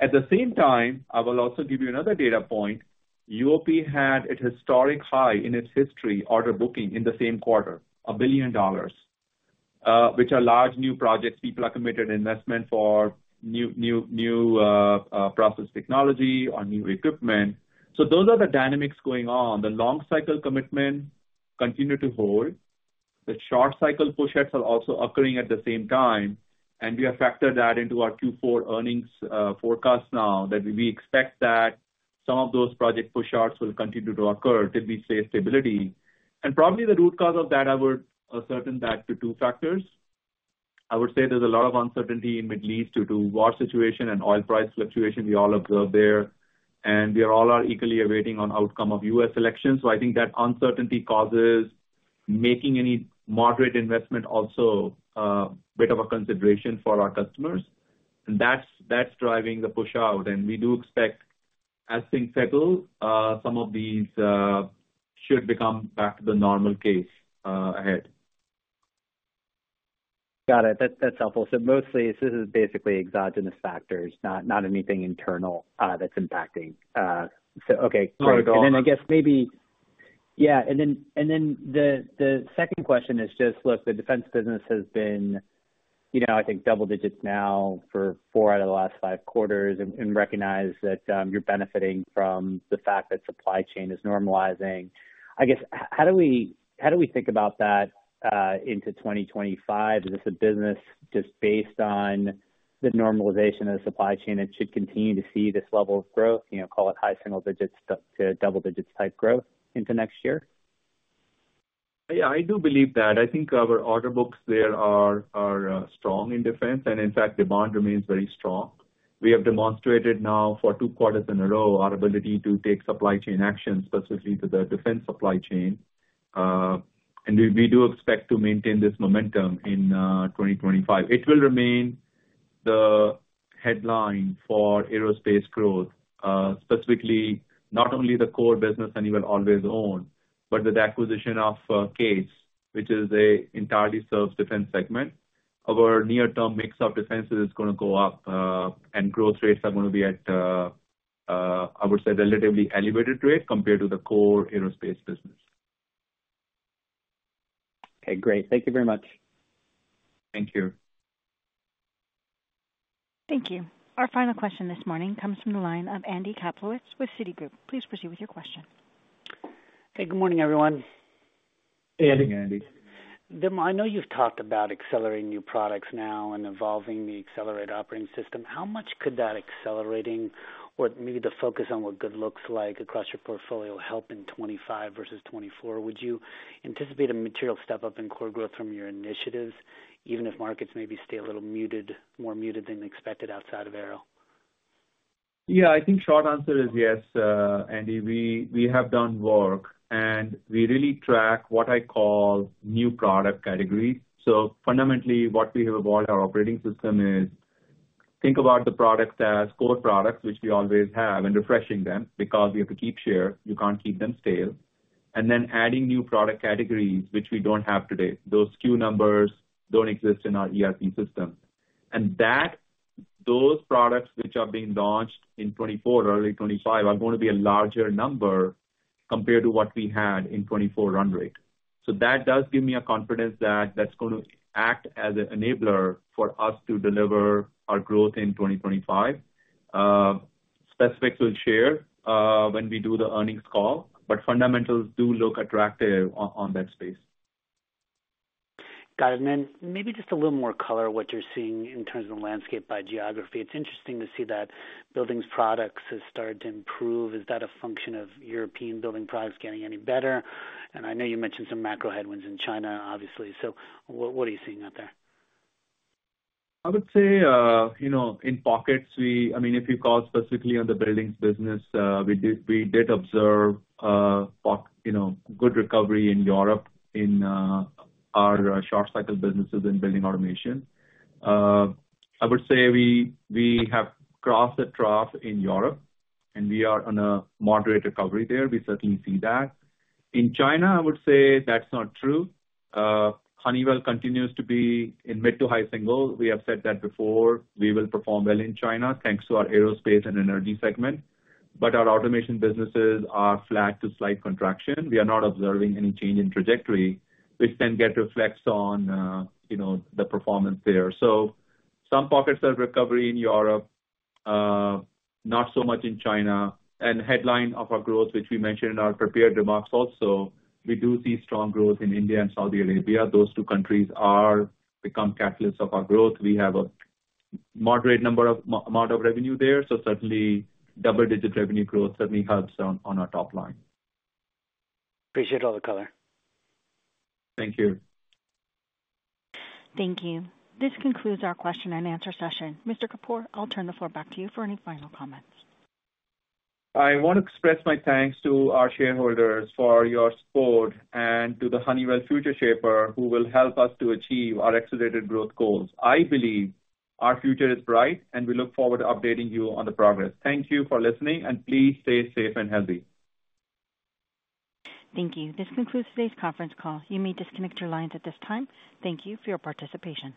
At the same time, I will also give you another data point. UOP had a historic high in its history, order booking in the same quarter, $1 billion, which are large, new projects. People are committed investment for new process technology or new equipment. So those are the dynamics going on. The long cycle commitment continue to hold. The short cycle push outs are also occurring at the same time, and we have factored that into our Q4 earnings forecast now, that we expect that some of those project push outs will continue to occur till we see stability. And probably the root cause of that, I would ascertain that to two factors. I would say there's a lot of uncertainty in Middle East due to war situation and oil price fluctuation we all observe there, and we all are equally awaiting on outcome of U.S. elections. So I think that uncertainty causes making any moderate investment also bit of a consideration for our customers, and that's driving the push out. And we do expect, as things settle, some of these should become back to the normal case ahead. Got it. That's, that's helpful. So mostly, this is basically exogenous factors, not anything internal, that's impacting. So, okay. No, at all. And then I guess maybe. Yeah, and then the second question is just, look, the defense business has been, you know, I think double digits now for four out of the last five quarters, and recognize that you're benefiting from the fact that supply chain is normalizing. I guess, how do we think about that into 2025? Is this a business just based on the normalization of the supply chain, and should continue to see this level of growth, you know, call it high single digits to double digits type growth into next year? Yeah, I do believe that. I think our order books there are strong in defense, and in fact, demand remains very strong. We have demonstrated now for two quarters in a row our ability to take supply chain actions, specifically to the defense supply chain, and we do expect to maintain this momentum in 2025. It will remain the headline for aerospace growth, specifically, not only the core business, our own, but with the acquisition of CAES, which entirely serves the defense segment. Our near-term mix of defense is gonna go up, and growth rates are gonna be at, I would say, a relatively elevated rate compared to the core aerospace business. Okay, great. Thank you very much. Thank you. Thank you. Our final question this morning comes from the line of Andy Kaplowitz with Citigroup. Please proceed with your question. Hey, good morning, everyone. Hey, Andy. I know you've talked about accelerating new products now and evolving the Accelerator operating system. How much could that accelerating or maybe the focus on what good looks like across your portfolio help in 2025 versus 2024? Would you anticipate a material step up in core growth from your initiatives, even if markets maybe stay a little muted, more muted than expected outside of Aero? Yeah, I think short answer is yes, Andy, we have done work, and we really track what I call new product category. So fundamentally, what we have evolved our operating system is, think about the products as core products, which we always have, and refreshing them, because we have to keep share, you can't keep them stale. And then adding new product categories, which we don't have today. Those SKU numbers don't exist in our ERP system. And those products which are being launched in 2024, early 2025, are going to be a larger number compared to what we had in 2024 run rate. So that does give me a confidence that that's going to act as an enabler for us to deliver our growth in 2025. Specifics we'll share when we do the earnings call, but fundamentals do look attractive on that space. Got it. And then maybe just a little more color on what you're seeing in terms of the landscape by geography. It's interesting to see that building products has started to improve. Is that a function of European building products getting any better? And I know you mentioned some macro headwinds in China, obviously. So what are you seeing out there? I would say, you know, in pockets, we - I mean, if you call specifically on the buildings business, we did observe, you know, good recovery in Europe in our short cycle businesses in Building Automation. I would say we have crossed the trough in Europe, and we are on a moderate recovery there. We certainly see that. In China, I would say that's not true. Honeywell continues to be in mid to high single. We have said that before. We will perform well in China, thanks to our Aerospace and Energy segment, but our automation businesses are flat to slight contraction. We are not observing any change in trajectory, which then gets reflected on, you know, the performance there. Some pockets of recovery in Europe, not so much in China, and headwinds of our growth, which we mentioned in our prepared remarks also, we do see strong growth in India and Saudi Arabia. Those two countries are become catalysts of our growth. We have a moderate amount of revenue there, so certainly double-digit revenue growth certainly helps on our top line. Appreciate all the color. Thank you. Thank you. This concludes our question and answer session. Mr. Kapur, I'll turn the floor back to you for any final comments. I want to express my thanks to our shareholders for your support and to the Honeywell Futureshaper who will help us to achieve our accelerated growth goals. I believe our future is bright, and we look forward to updating you on the progress. Thank you for listening, and please stay safe and healthy. Thank you. This concludes today's conference call. You may disconnect your lines at this time. Thank you for your participation.